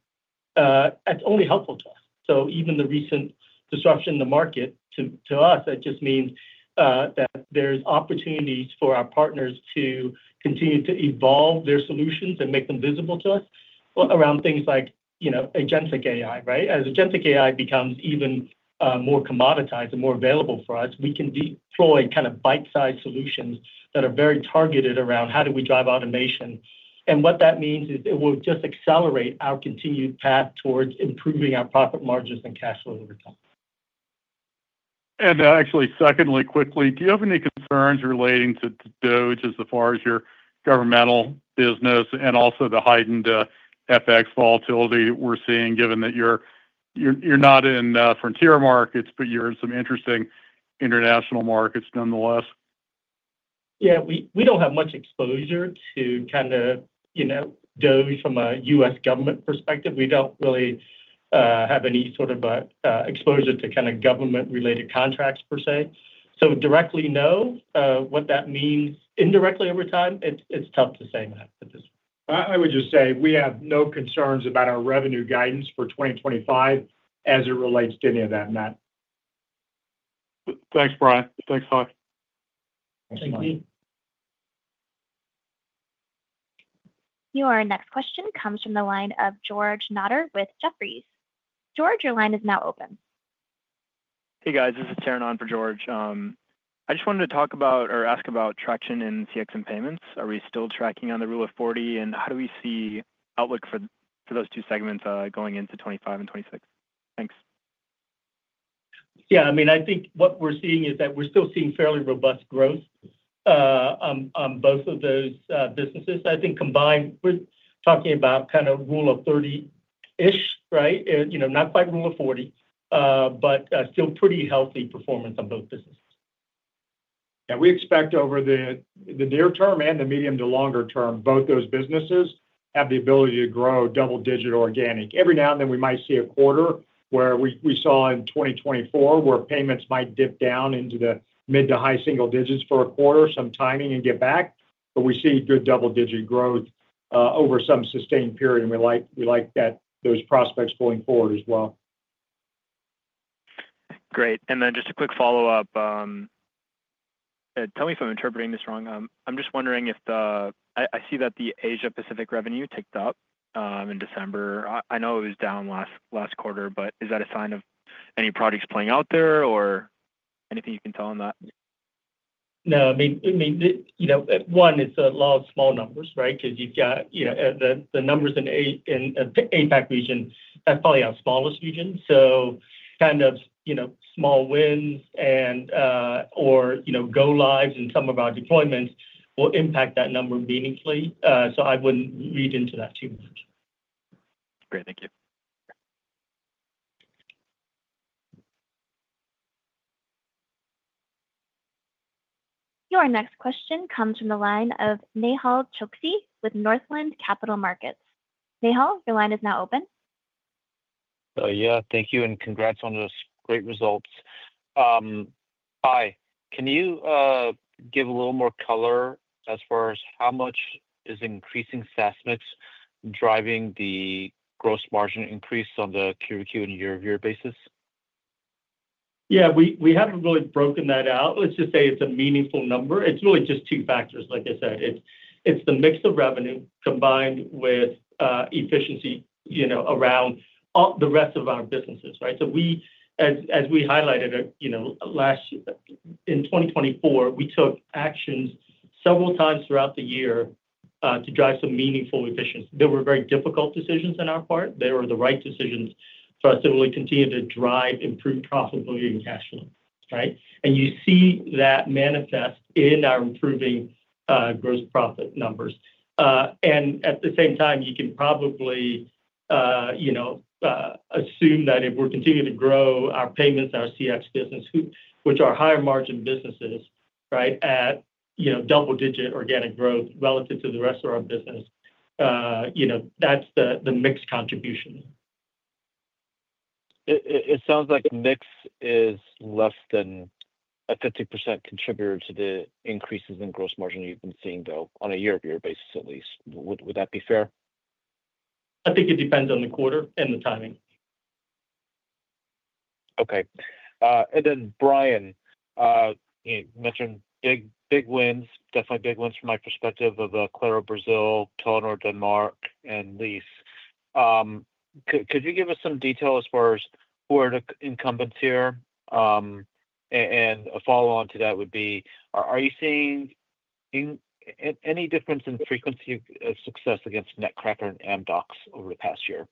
Speaker 4: it's only helpful to us. So even the recent disruption in the market to us, it just means that there's opportunities for our partners to continue to evolve their solutions and make them visible to us around things like Agentic AI, right? As Agentic AI becomes even more commoditized and more available for us, we can deploy kind of bite-sized solutions that are very targeted around how do we drive automation. And what that means is it will just accelerate our continued path towards improving our profit margins and cash flow over time.
Speaker 7: And actually, secondly, quickly, do you have any concerns relating to DOGE as far as your governmental business and also the heightened FX volatility we're seeing, given that you're not in frontier markets, but you're in some interesting international markets nonetheless?
Speaker 4: Yeah, we don't have much exposure to kind of DOGE from a U.S. government perspective. We don't really have any sort of exposure to kind of government-related contracts per se. So directly, no. What that means indirectly over time, it's tough to say, Matt, at this point.
Speaker 3: I would just say we have no concerns about our revenue guidance for 2025 as it relates to any of that, Matt.
Speaker 7: Thanks, Brian. Thanks, Hai.
Speaker 4: Thank you.
Speaker 1: Your next question comes from the line of George Notter with Jefferies. George, your line is now open.
Speaker 8: Hey, guys. This is Taran on for George. I just wanted to talk about or ask about traction in CX and payments. Are we still tracking on the Rule of 40? And how do we see outlook for those two segments going into 2025 and 2026? Thanks.
Speaker 4: Yeah, I mean, I think what we're seeing is that we're still seeing fairly robust growth on both of those businesses. I think combined, we're talking about kind of Rule of 30-ish, right? Not quite Rule of 40, but still pretty healthy performance on both businesses.
Speaker 3: Yeah, we expect over the near term and the medium to longer term, both those businesses have the ability to grow double-digit organic. Every now and then, we might see a quarter where we saw in 2024 where payments might dip down into the mid to high single digits for a quarter, some timing, and get back. But we see good double-digit growth over some sustained period. And we like those prospects going forward as well.
Speaker 8: Great. And then just a quick follow-up. Tell me if I'm interpreting this wrong. I'm just wondering if I see that the Asia-Pacific revenue ticked up in December. I know it was down last quarter, but is that a sign of any projects playing out there or anything you can tell on that?
Speaker 4: No, I mean, one, it's a lot of small numbers, right? Because you've got the numbers in the APAC region, that's probably our smallest region. So kind of small wins or go-lives in some of our deployments will impact that number meaningfully. So I wouldn't read into that too much.
Speaker 8: Great. Thank you.
Speaker 1: Your next question comes from the line of Nehal Chokshi with Northland Capital Markets. Nehal, your line is now open.
Speaker 9: Yeah, thank you. Congrats on those great results. Hai, can you give a little more color as far as how much is increasing SaaS mix driving the gross margin increase on the Q2 and year-over-year basis?
Speaker 4: Yeah, we haven't really broken that out. Let's just say it's a meaningful number. It's really just two factors, like I said. It's the mix of revenue combined with efficiency around the rest of our businesses, right? So as we highlighted last year, in 2024, we took actions several times throughout the year to drive some meaningful efficiency. There were very difficult decisions on our part. They were the right decisions for us to really continue to drive improved profitability and cash flow, right? And you see that manifest in our improving gross profit numbers. And at the same time, you can probably assume that if we're continuing to grow our payments, our CX business, which are higher margin businesses, right, at double-digit organic growth relative to the rest of our business, that's the mix contribution.
Speaker 9: It sounds like mix is less than a 50% contributor to the increases in gross margin you've been seeing, though, on a year-over-year basis at least. Would that be fair?
Speaker 4: I think it depends on the quarter and the timing.
Speaker 9: Okay. And then, Brian, you mentioned big wins, definitely big wins from my perspective of Claro Brazil, Telenor Denmark, and Lyse. Could you give us some detail as far as who are the incumbents here? And a follow-on to that would be, are you seeing any difference in frequency of success against Netcracker and Amdocs over the past year?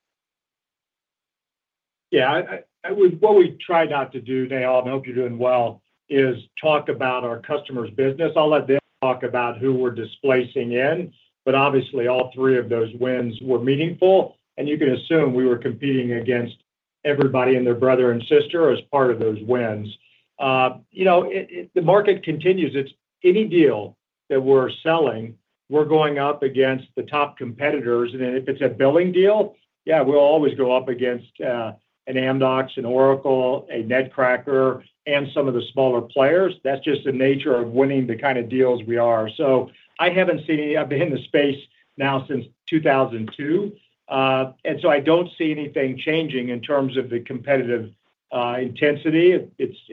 Speaker 3: Yeah, what we try not to do today, and I hope you're doing well, is talk about our customer's business. I'll let them talk about who we're displacing in. But obviously, all three of those wins were meaningful. And you can assume we were competing against everybody and their brother and sister as part of those wins. The market continues. It's any deal that we're selling, we're going up against the top competitors. And then if it's a billing deal, yeah, we'll always go up against an Amdocs, an Oracle, a Netcracker, and some of the smaller players. That's just the nature of winning the kind of deals we are. So I haven't seen any. I've been in the space now since 2002. And so I don't see anything changing in terms of the competitive intensity.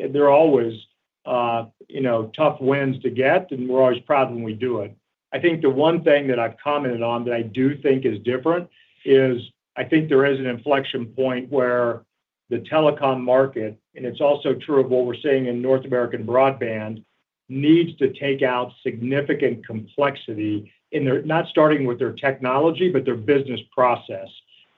Speaker 3: They're always tough wins to get, and we're always proud when we do it. I think the one thing that I've commented on that I do think is different is I think there is an inflection point where the telecom market, and it's also true of what we're seeing in North American broadband, needs to take out significant complexity in their they're not starting with their technology, but their business process.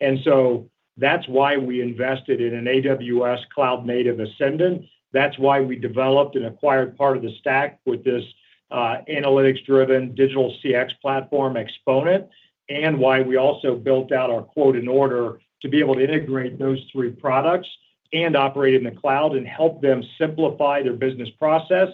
Speaker 3: And so that's why we invested in an AWS cloud-native Ascendon. That's why we developed and acquired part of the stack with this analytics-driven digital CX platform Xponent, and why we also built out our quote and order to be able to integrate those three products and operate in the cloud and help them simplify their business process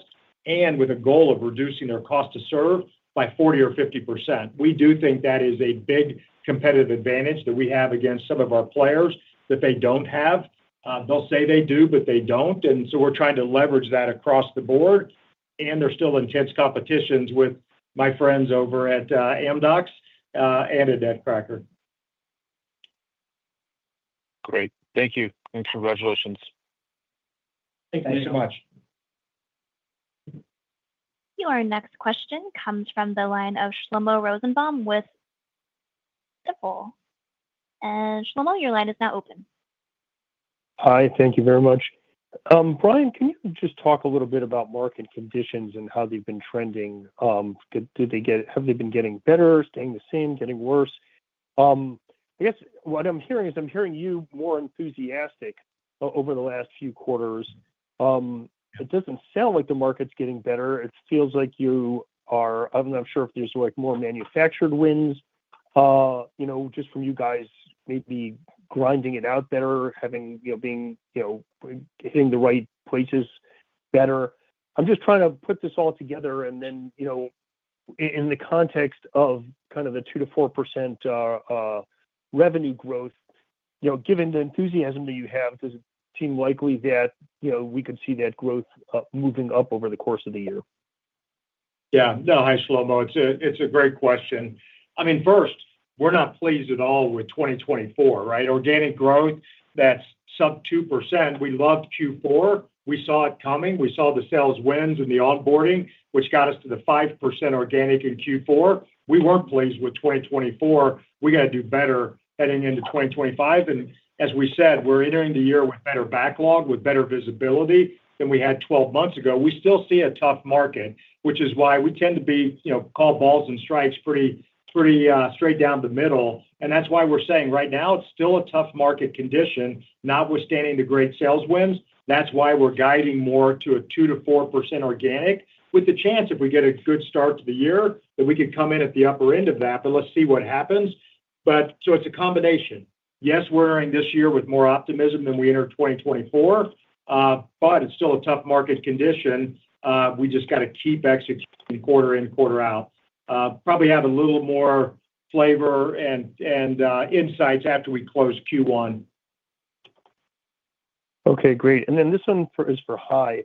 Speaker 3: and with a goal of reducing their cost to serve by 40% or 50%. We do think that is a big competitive advantage that we have against some of our players that they don't have. They'll say they do, but they don't. And so we're trying to leverage that across the board. And there's still intense competitions with my friends over at Amdocs and at Netcracker.
Speaker 9: Great. Thank you. Congratulations.
Speaker 3: Thank you so much.
Speaker 1: Your next question comes from the line of Shlomo Rosenbaum with Stifel. And Shlomo, your line is now open.
Speaker 10: Hi, thank you very much. Brian, can you just talk a little bit about market conditions and how they've been trending? Have they been getting better, staying the same, getting worse? I guess what I'm hearing is I'm hearing you more enthusiastic over the last few quarters. It doesn't sound like the market's getting better. It feels like you are. I'm not sure if there's more manufactured wins just from you guys maybe grinding it out better, hitting the right places better. I'm just trying to put this all together. And then, in the context of kind of the 2%-4% revenue growth, given the enthusiasm that you have, does it seem likely that we could see that growth moving up over the course of the year?
Speaker 3: Yeah. No, hi, Shlomo. It's a great question. I mean, first, we're not pleased at all with 2024, right? Organic growth, that's sub-2%. We loved Q4. We saw it coming. We saw the sales wins and the onboarding, which got us to the 5% organic in Q4. We weren't pleased with 2024. We got to do better heading into 2025. And as we said, we're entering the year with better backlog, with better visibility than we had 12 months ago. We still see a tough market, which is why we tend to call balls and strikes pretty straight down the middle. That's why we're saying right now it's still a tough market condition, notwithstanding the great sales wins. That's why we're guiding more to a 2%-4% organic, with the chance if we get a good start to the year that we could come in at the upper end of that. But let's see what happens. But so it's a combination. Yes, we're entering this year with more optimism than we entered 2024, but it's still a tough market condition. We just got to keep executing quarter in, quarter out. Probably have a little more flavor and insights after we close Q1.
Speaker 10: Okay, great. And then this one is for Hai.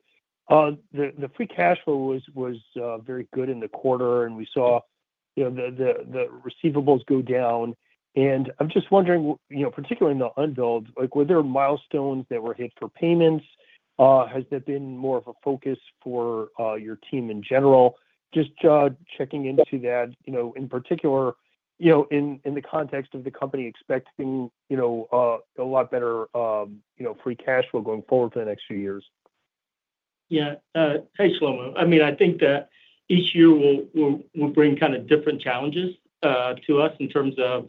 Speaker 10: The free cash flow was very good in the quarter, and we saw the receivables go down. And I'm just wondering, particularly in the unbilled, were there milestones that were hit for payments? Has that been more of a focus for your team in general? Just checking into that in particular in the context of the company expecting a lot better free cash flow going forward for the next few years.
Speaker 4: Yeah. Hey, Shlomo. I mean, I think that each year will bring kind of different challenges to us in terms of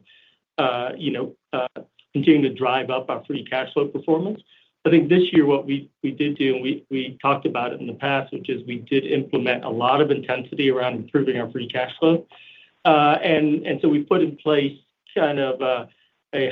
Speaker 4: continuing to drive up our free cash flow performance. I think this year what we did do, and we talked about it in the past, which is we did implement a lot of intensity around improving our free cash flow. And so we put in place kind of a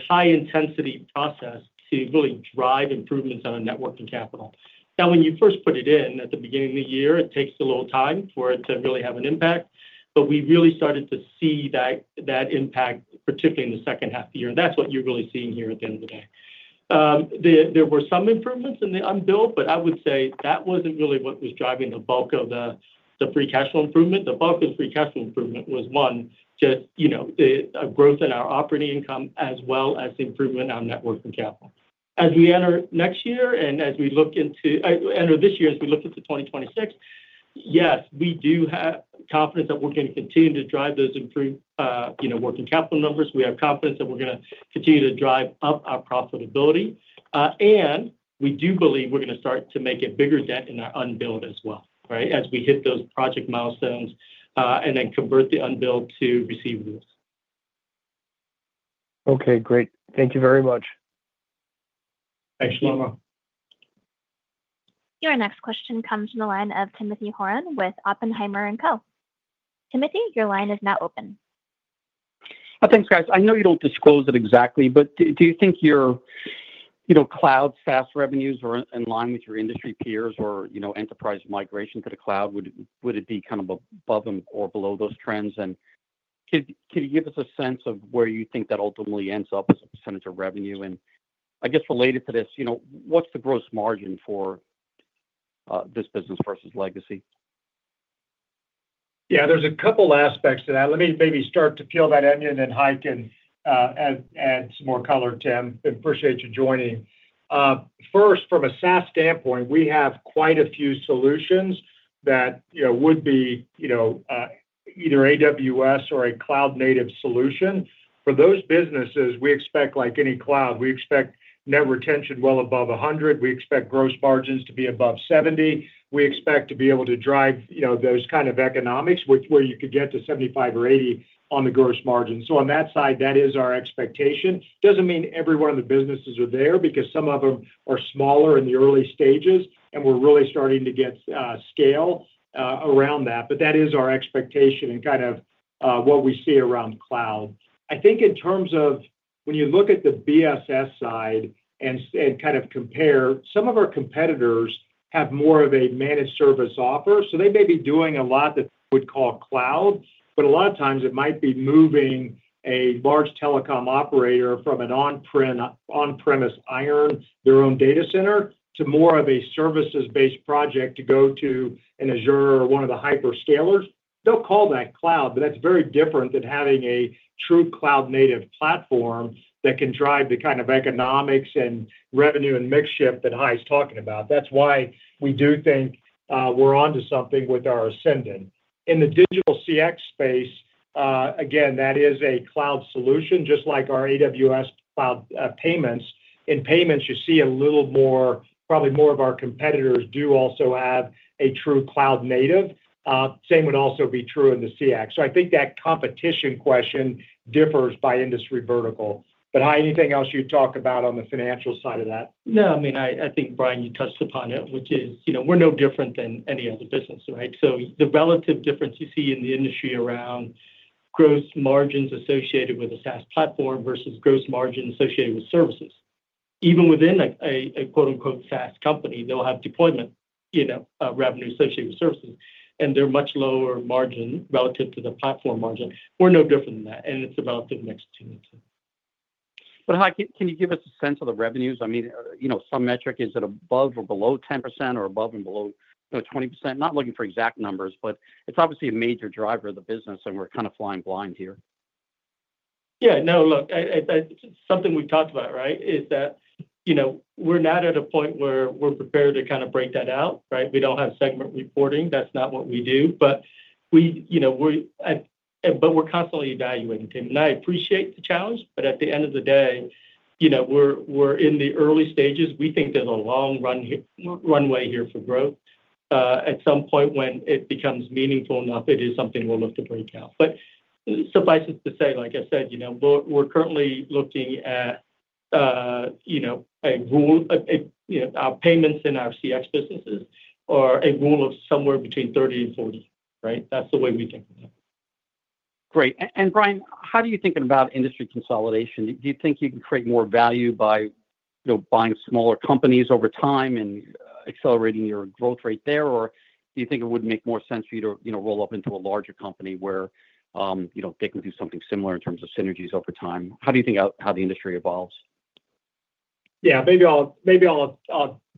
Speaker 4: high-intensity process to really drive improvements on our net working capital. Now, when you first put it in at the beginning of the year, it takes a little time for it to really have an impact. But we really started to see that impact, particularly in the second half of the year. And that's what you're really seeing here at the end of the day. There were some improvements in the unbilled, but I would say that wasn't really what was driving the bulk of the free cash flow improvement. The bulk of the free cash flow improvement was, one, just a growth in our operating income as well as the improvement in our net working capital. As we enter next year and as we look to enter this year as we look into 2026, yes, we do have confidence that we're going to continue to drive those working capital numbers. We have confidence that we're going to continue to drive up our profitability. And we do believe we're going to start to make a bigger dent in our unbilled as well, right, as we hit those project milestones and then convert the unbilled to receivables.
Speaker 10: Okay, great. Thank you very much.
Speaker 3: Thanks, Shlomo.
Speaker 1: Your next question comes from the line of Timothy Horan with Oppenheimer & Co. Timothy, your line is now open.
Speaker 11: Thanks, guys. I know you don't disclose it exactly, but do you think your cloud SaaS revenues are in line with your industry peers or enterprise migration to the cloud? Would it be kind of above or below those trends? And can you give us a sense of where you think that ultimately ends up as a percentage of revenue? And I guess related to this, what's the gross margin for this business versus legacy?
Speaker 3: Yeah, there's a couple of aspects to that. Let me maybe start to peel that onion and then Hai can add some more color, Tim. Appreciate you joining. First, from a SaaS standpoint, we have quite a few solutions that would be either AWS or a cloud-native solution. For those businesses, we expect like any cloud. We expect net retention well above 100. We expect gross margins to be above 70. We expect to be able to drive those kind of economics where you could get to 75 or 80 on the gross margin. So on that side, that is our expectation. Doesn't mean every one of the businesses are there because some of them are smaller in the early stages, and we're really starting to get scale around that. But that is our expectation and kind of what we see around cloud. I think in terms of when you look at the BSS side and kind of compare, some of our competitors have more of a managed service offer. So they may be doing a lot that we would call cloud, but a lot of times it might be moving a large telecom operator from an on-premise iron, their own data center, to more of a services-based project to go to an Azure or one of the hyperscalers. They'll call that cloud, but that's very different than having a true cloud-native platform that can drive the kind of economics and revenue and mix shift that Hai is talking about. That's why we do think we're on to something with our Ascendon. In the digital CX space, again, that is a cloud solution, just like our AWS cloud payments. In payments, you see a little more. Probably more of our competitors do also have a true cloud-native. Same would also be true in the CX. So I think that competition question differs by industry vertical. But Hai, anything else you'd talk about on the financial side of that?
Speaker 4: No, I mean, I think, Brian, you touched upon it, which is we're no different than any other business, right? So the relative difference you see in the industry around gross margins associated with a SaaS platform versus gross margin associated with services. Even within a quote-unquote SaaS company, they'll have deployment revenue associated with services, and they're much lower margin relative to the platform margin. We're no different than that, and it's about the next two weeks.
Speaker 11: But Hai, can you give us a sense of the revenues? I mean, some metric, is it above or below 10% or above and below 20%? Not looking for exact numbers, but it's obviously a major driver of the business, and we're kind of flying blind here.
Speaker 4: Yeah. No, look, something we've talked about, right, is that we're not at a point where we're prepared to kind of break that out, right? We don't have segment reporting. That's not what we do. But we're constantly evaluating, Tim. And I appreciate the challenge, but at the end of the day, we're in the early stages. We think there's a long runway here for growth. At some point when it becomes meaningful enough, it is something we'll look to break out. But suffice it to say, like I said, we're currently looking at a Rule of 40 for our payments and our CX businesses or a Rule of 40 somewhere between 30 and 40, right? That's the way we think of it.
Speaker 11: Great. And Brian, how do you think about industry consolidation? Do you think you can create more value by buying smaller companies over time and accelerating your growth rate there? Or do you think it would make more sense for you to roll up into a larger company where they can do something similar in terms of synergies over time? How do you think the industry evolves?
Speaker 3: Yeah, maybe I'll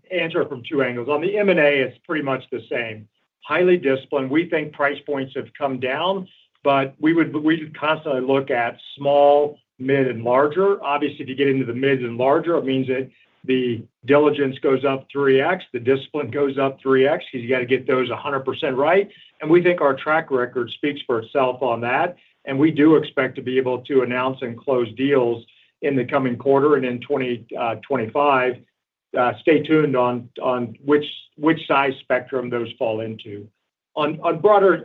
Speaker 3: answer it from two angles. On the M&A, it's pretty much the same. Highly disciplined. We think price points have come down, but we constantly look at small, mid, and larger. Obviously, to get into the mid and larger, it means that the diligence goes up 3X, the discipline goes up 3X because you got to get those 100% right. And we think our track record speaks for itself on that. And we do expect to be able to announce and close deals in the coming quarter and in 2025. Stay tuned on which size spectrum those fall into. On broader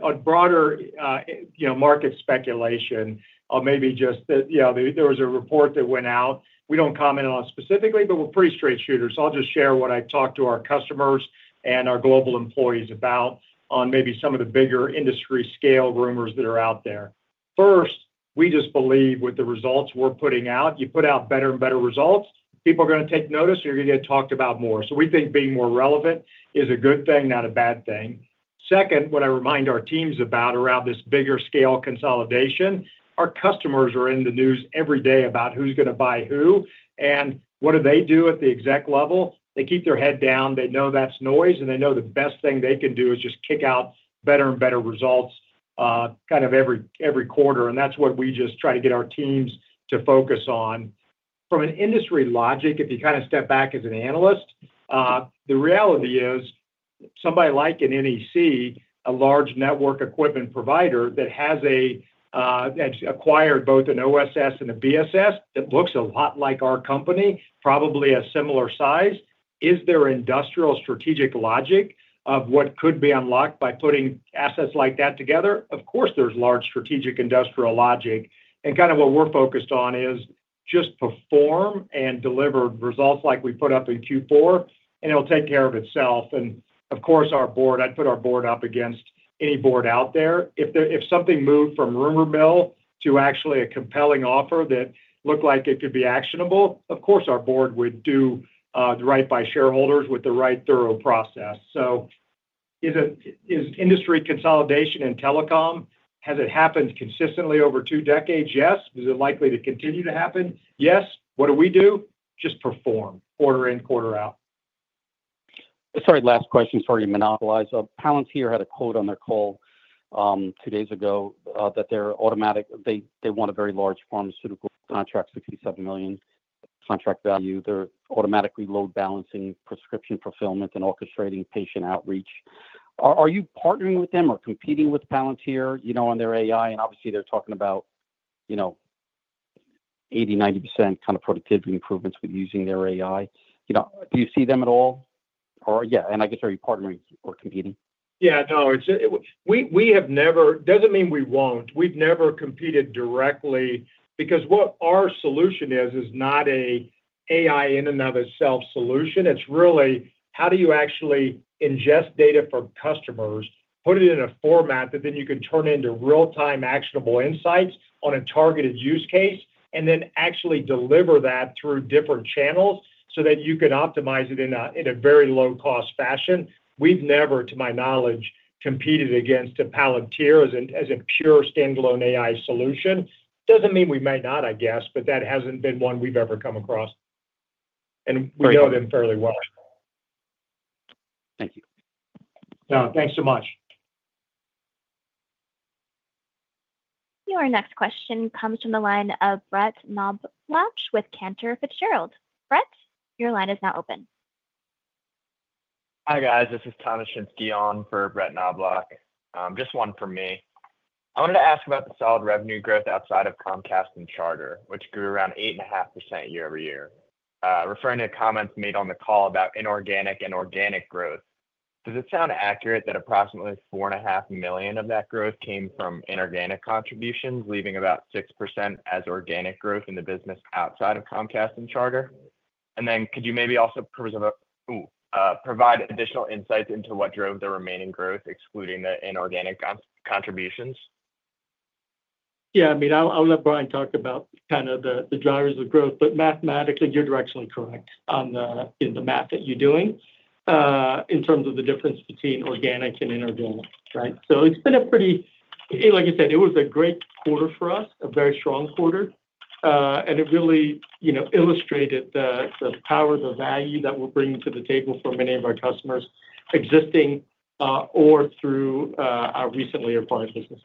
Speaker 3: market speculation, maybe just that there was a report that went out. We don't comment on it specifically, but we're pretty straight shooters. I'll just share what I've talked to our customers and our global employees about on maybe some of the bigger industry scale rumors that are out there. First, we just believe with the results we're putting out, you put out better and better results, people are going to take notice, and you're going to get talked about more. So we think being more relevant is a good thing, not a bad thing. Second, what I remind our teams about around this bigger scale consolidation, our customers are in the news every day about who's going to buy who and what do they do at the exec level. They keep their head down. They know that's noise, and they know the best thing they can do is just kick out better and better results kind of every quarter. That's what we just try to get our teams to focus on. From an industry logic, if you kind of step back as an analyst, the reality is somebody like an NEC, a large network equipment provider that has acquired both an OSS and a BSS that looks a lot like our company, probably a similar size, is there industrial strategic logic of what could be unlocked by putting assets like that together? Of course, there's large strategic industrial logic. And kind of what we're focused on is just perform and deliver results like we put up in Q4, and it'll take care of itself. And of course, our board, I'd put our board up against any board out there. If something moved from rumor mill to actually a compelling offer that looked like it could be actionable, of course, our board would do right by shareholders with the right thorough process. So is industry consolidation in telecom, has it happened consistently over two decades? Yes. Is it likely to continue to happen? Yes. What do we do? Just perform quarter in, quarter out.
Speaker 11: Sorry, last question before you monopolize. Palantir had a quote on their call two days ago that they want a very large pharmaceutical contract, $67 million contract value. They're automatically load balancing, prescription fulfillment, and orchestrating patient outreach. Are you partnering with them or competing with Palantir on their AI? And obviously, they're talking about 80%-90% kind of productivity improvements with using their AI. Do you see them at all? Or yeah, and I guess are you partnering or competing?
Speaker 3: Yeah. No, we have never. Doesn't mean we won't. We've never competed directly because what our solution is, is not an AI in and of itself solution. It's really how do you actually ingest data from customers, put it in a format that then you can turn into real-time actionable insights on a targeted use case, and then actually deliver that through different channels so that you can optimize it in a very low-cost fashion. We've never, to my knowledge, competed against Palantir as a pure standalone AI solution. Doesn't mean we might not, I guess, but that hasn't been one we've ever come across. And we know them fairly well.
Speaker 11: Thank you.
Speaker 3: Thanks so much.
Speaker 1: Your next question comes from the line of Brett Knoblauch with Cantor Fitzgerald. Brett, your line is now open.
Speaker 12: Hi, guys. This is Thomas Shinske on for Brett Knoblauch. Just one for me. I wanted to ask about the solid revenue growth outside of Comcast and Charter, which grew around 8.5% year over year, referring to comments made on the call about inorganic and organic growth. Does it sound accurate that approximately $4.5 million of that growth came from inorganic contributions, leaving about 6% as organic growth in the business outside of Comcast and Charter? And then could you maybe also provide additional insights into what drove the remaining growth, excluding the inorganic contributions?
Speaker 4: Yeah. I mean, I'll let Brian talk about kind of the drivers of growth, but mathematically, you're directionally correct on the math that you're doing in terms of the difference between organic and inorganic, right? So it's been a pretty, like I said, it was a great quarter for us, a very strong quarter. And it really illustrated the power, the value that we're bringing to the table for many of our customers existing or through our recently acquired business.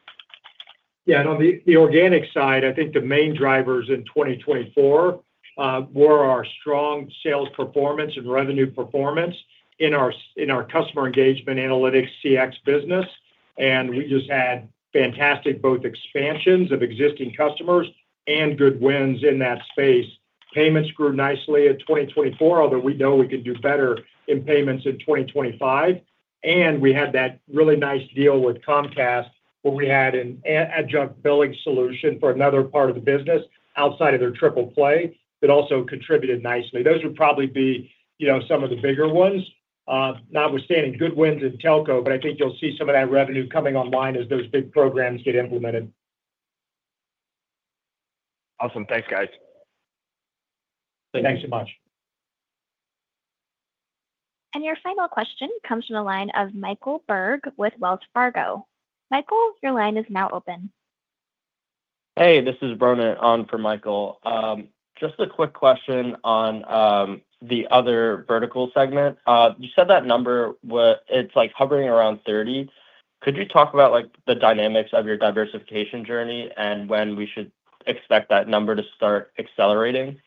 Speaker 3: Yeah. And on the organic side, I think the main drivers in 2024 were our strong sales performance and revenue performance in our customer engagement analytics CX business. And we just had fantastic both expansions of existing customers and good wins in that space. Payments grew nicely in 2024, although we know we can do better in payments in 2025. And we had that really nice deal with Comcast where we had an adjunct billing solution for another part of the business outside of their triple play that also contributed nicely. Those would probably be some of the bigger ones. Notwithstanding good wins in telco, but I think you'll see some of that revenue coming online as those big programs get implemented.
Speaker 12: Awesome. Thanks, guys.
Speaker 3: Thanks so much.
Speaker 1: And your final question comes from the line of Michael Berg with Wells Fargo. Michael, your line is now open.
Speaker 13: Hey, this is Varun on for Michael. Just a quick question on the other vertical segment. You said that number, it's hovering around 30. Could you talk about the dynamics of your diversification journey and when we should expect that number to start accelerating?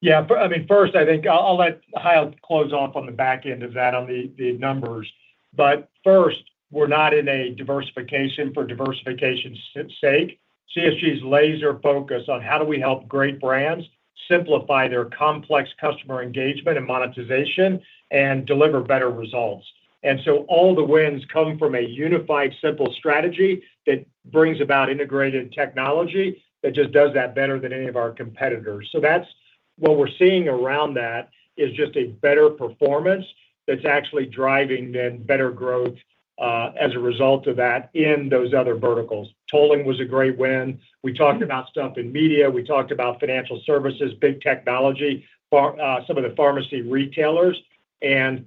Speaker 3: Yeah. I mean, first, I think I'll let Hai close off on the back end of that on the numbers. But first, we're not in a diversification for diversification's sake. CSG's laser focus on how do we help great brands simplify their complex customer engagement and monetization and deliver better results. And so all the wins come from a unified simple strategy that brings about integrated technology that just does that better than any of our competitors. So that's what we're seeing around that is just a better performance that's actually driving then better growth as a result of that in those other verticals. Tolling was a great win. We talked about stuff in media. We talked about financial services, big technology, some of the pharmacy retailers. And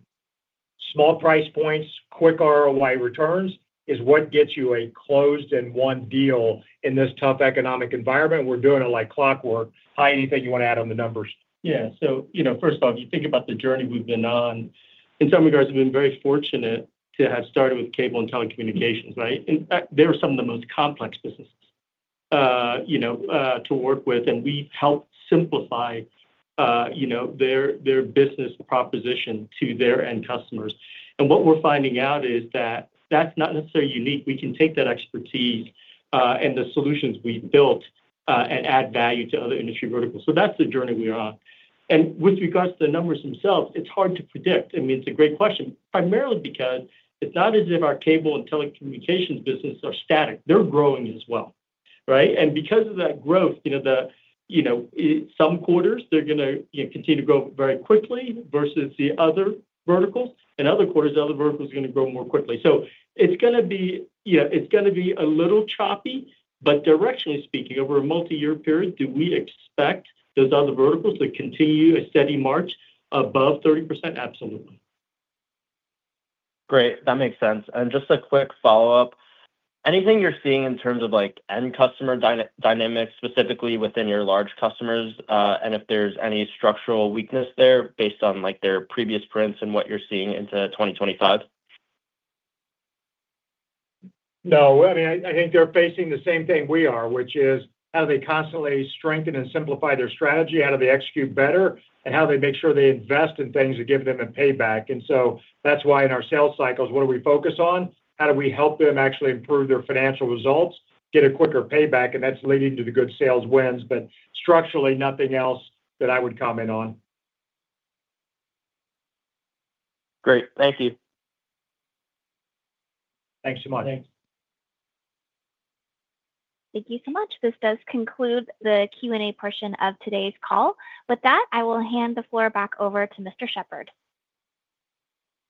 Speaker 3: small price points, quick ROI returns is what gets you a closed-end one deal in this tough economic environment. We're doing it like clockwork. Hai, anything you want to add on the numbers?
Speaker 4: Yeah, so first off, you think about the journey we've been on. In some regards, we've been very fortunate to have started with cable and telecommunications, right? They were some of the most complex businesses to work with, and we've helped simplify their business proposition to their end customers, and what we're finding out is that that's not necessarily unique. We can take that expertise and the solutions we've built and add value to other industry verticals, so that's the journey we are on, and with regards to the numbers themselves, it's hard to predict. I mean, it's a great question, primarily because it's not as if our cable and telecommunications business are static. They're growing as well, right?
Speaker 3: Because of that growth, some quarters, they're going to continue to grow very quickly versus the other verticals. And other quarters, other verticals are going to grow more quickly. So it's going to be a little choppy, but directionally speaking, over a multi-year period, do we expect those other verticals to continue a steady march above 30%? Absolutely.
Speaker 13: Great. That makes sense. And just a quick follow-up. Anything you're seeing in terms of end customer dynamics, specifically within your large customers, and if there's any structural weakness there based on their previous prints and what you're seeing into 2025?
Speaker 3: No. I mean, I think they're facing the same thing we are, which is how do they constantly strengthen and simplify their strategy? How do they execute better? And how do they make sure they invest in things that give them a payback? And so that's why in our sales cycles, what do we focus on? How do we help them actually improve their financial results, get a quicker payback? And that's leading to the good sales wins. But structurally, nothing else that I would comment on.
Speaker 13: Great. Thank you.
Speaker 3: Thanks so much.
Speaker 4: Thanks.
Speaker 1: Thank you so much. This does conclude the Q&A portion of today's call. With that, I will hand the floor back over to Mr. Shepherd.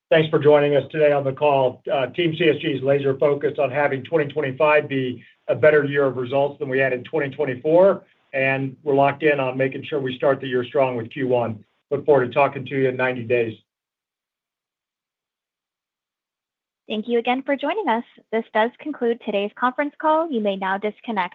Speaker 3: Thanks for joining us today on the call. Team CSG is laser-focused on having 2025 be a better year of results than we had in 2024. We're locked in on making sure we start the year strong with Q1. Look forward to talking to you in 90 days.
Speaker 1: Thank you again for joining us. This does conclude today's conference call. You may now disconnect.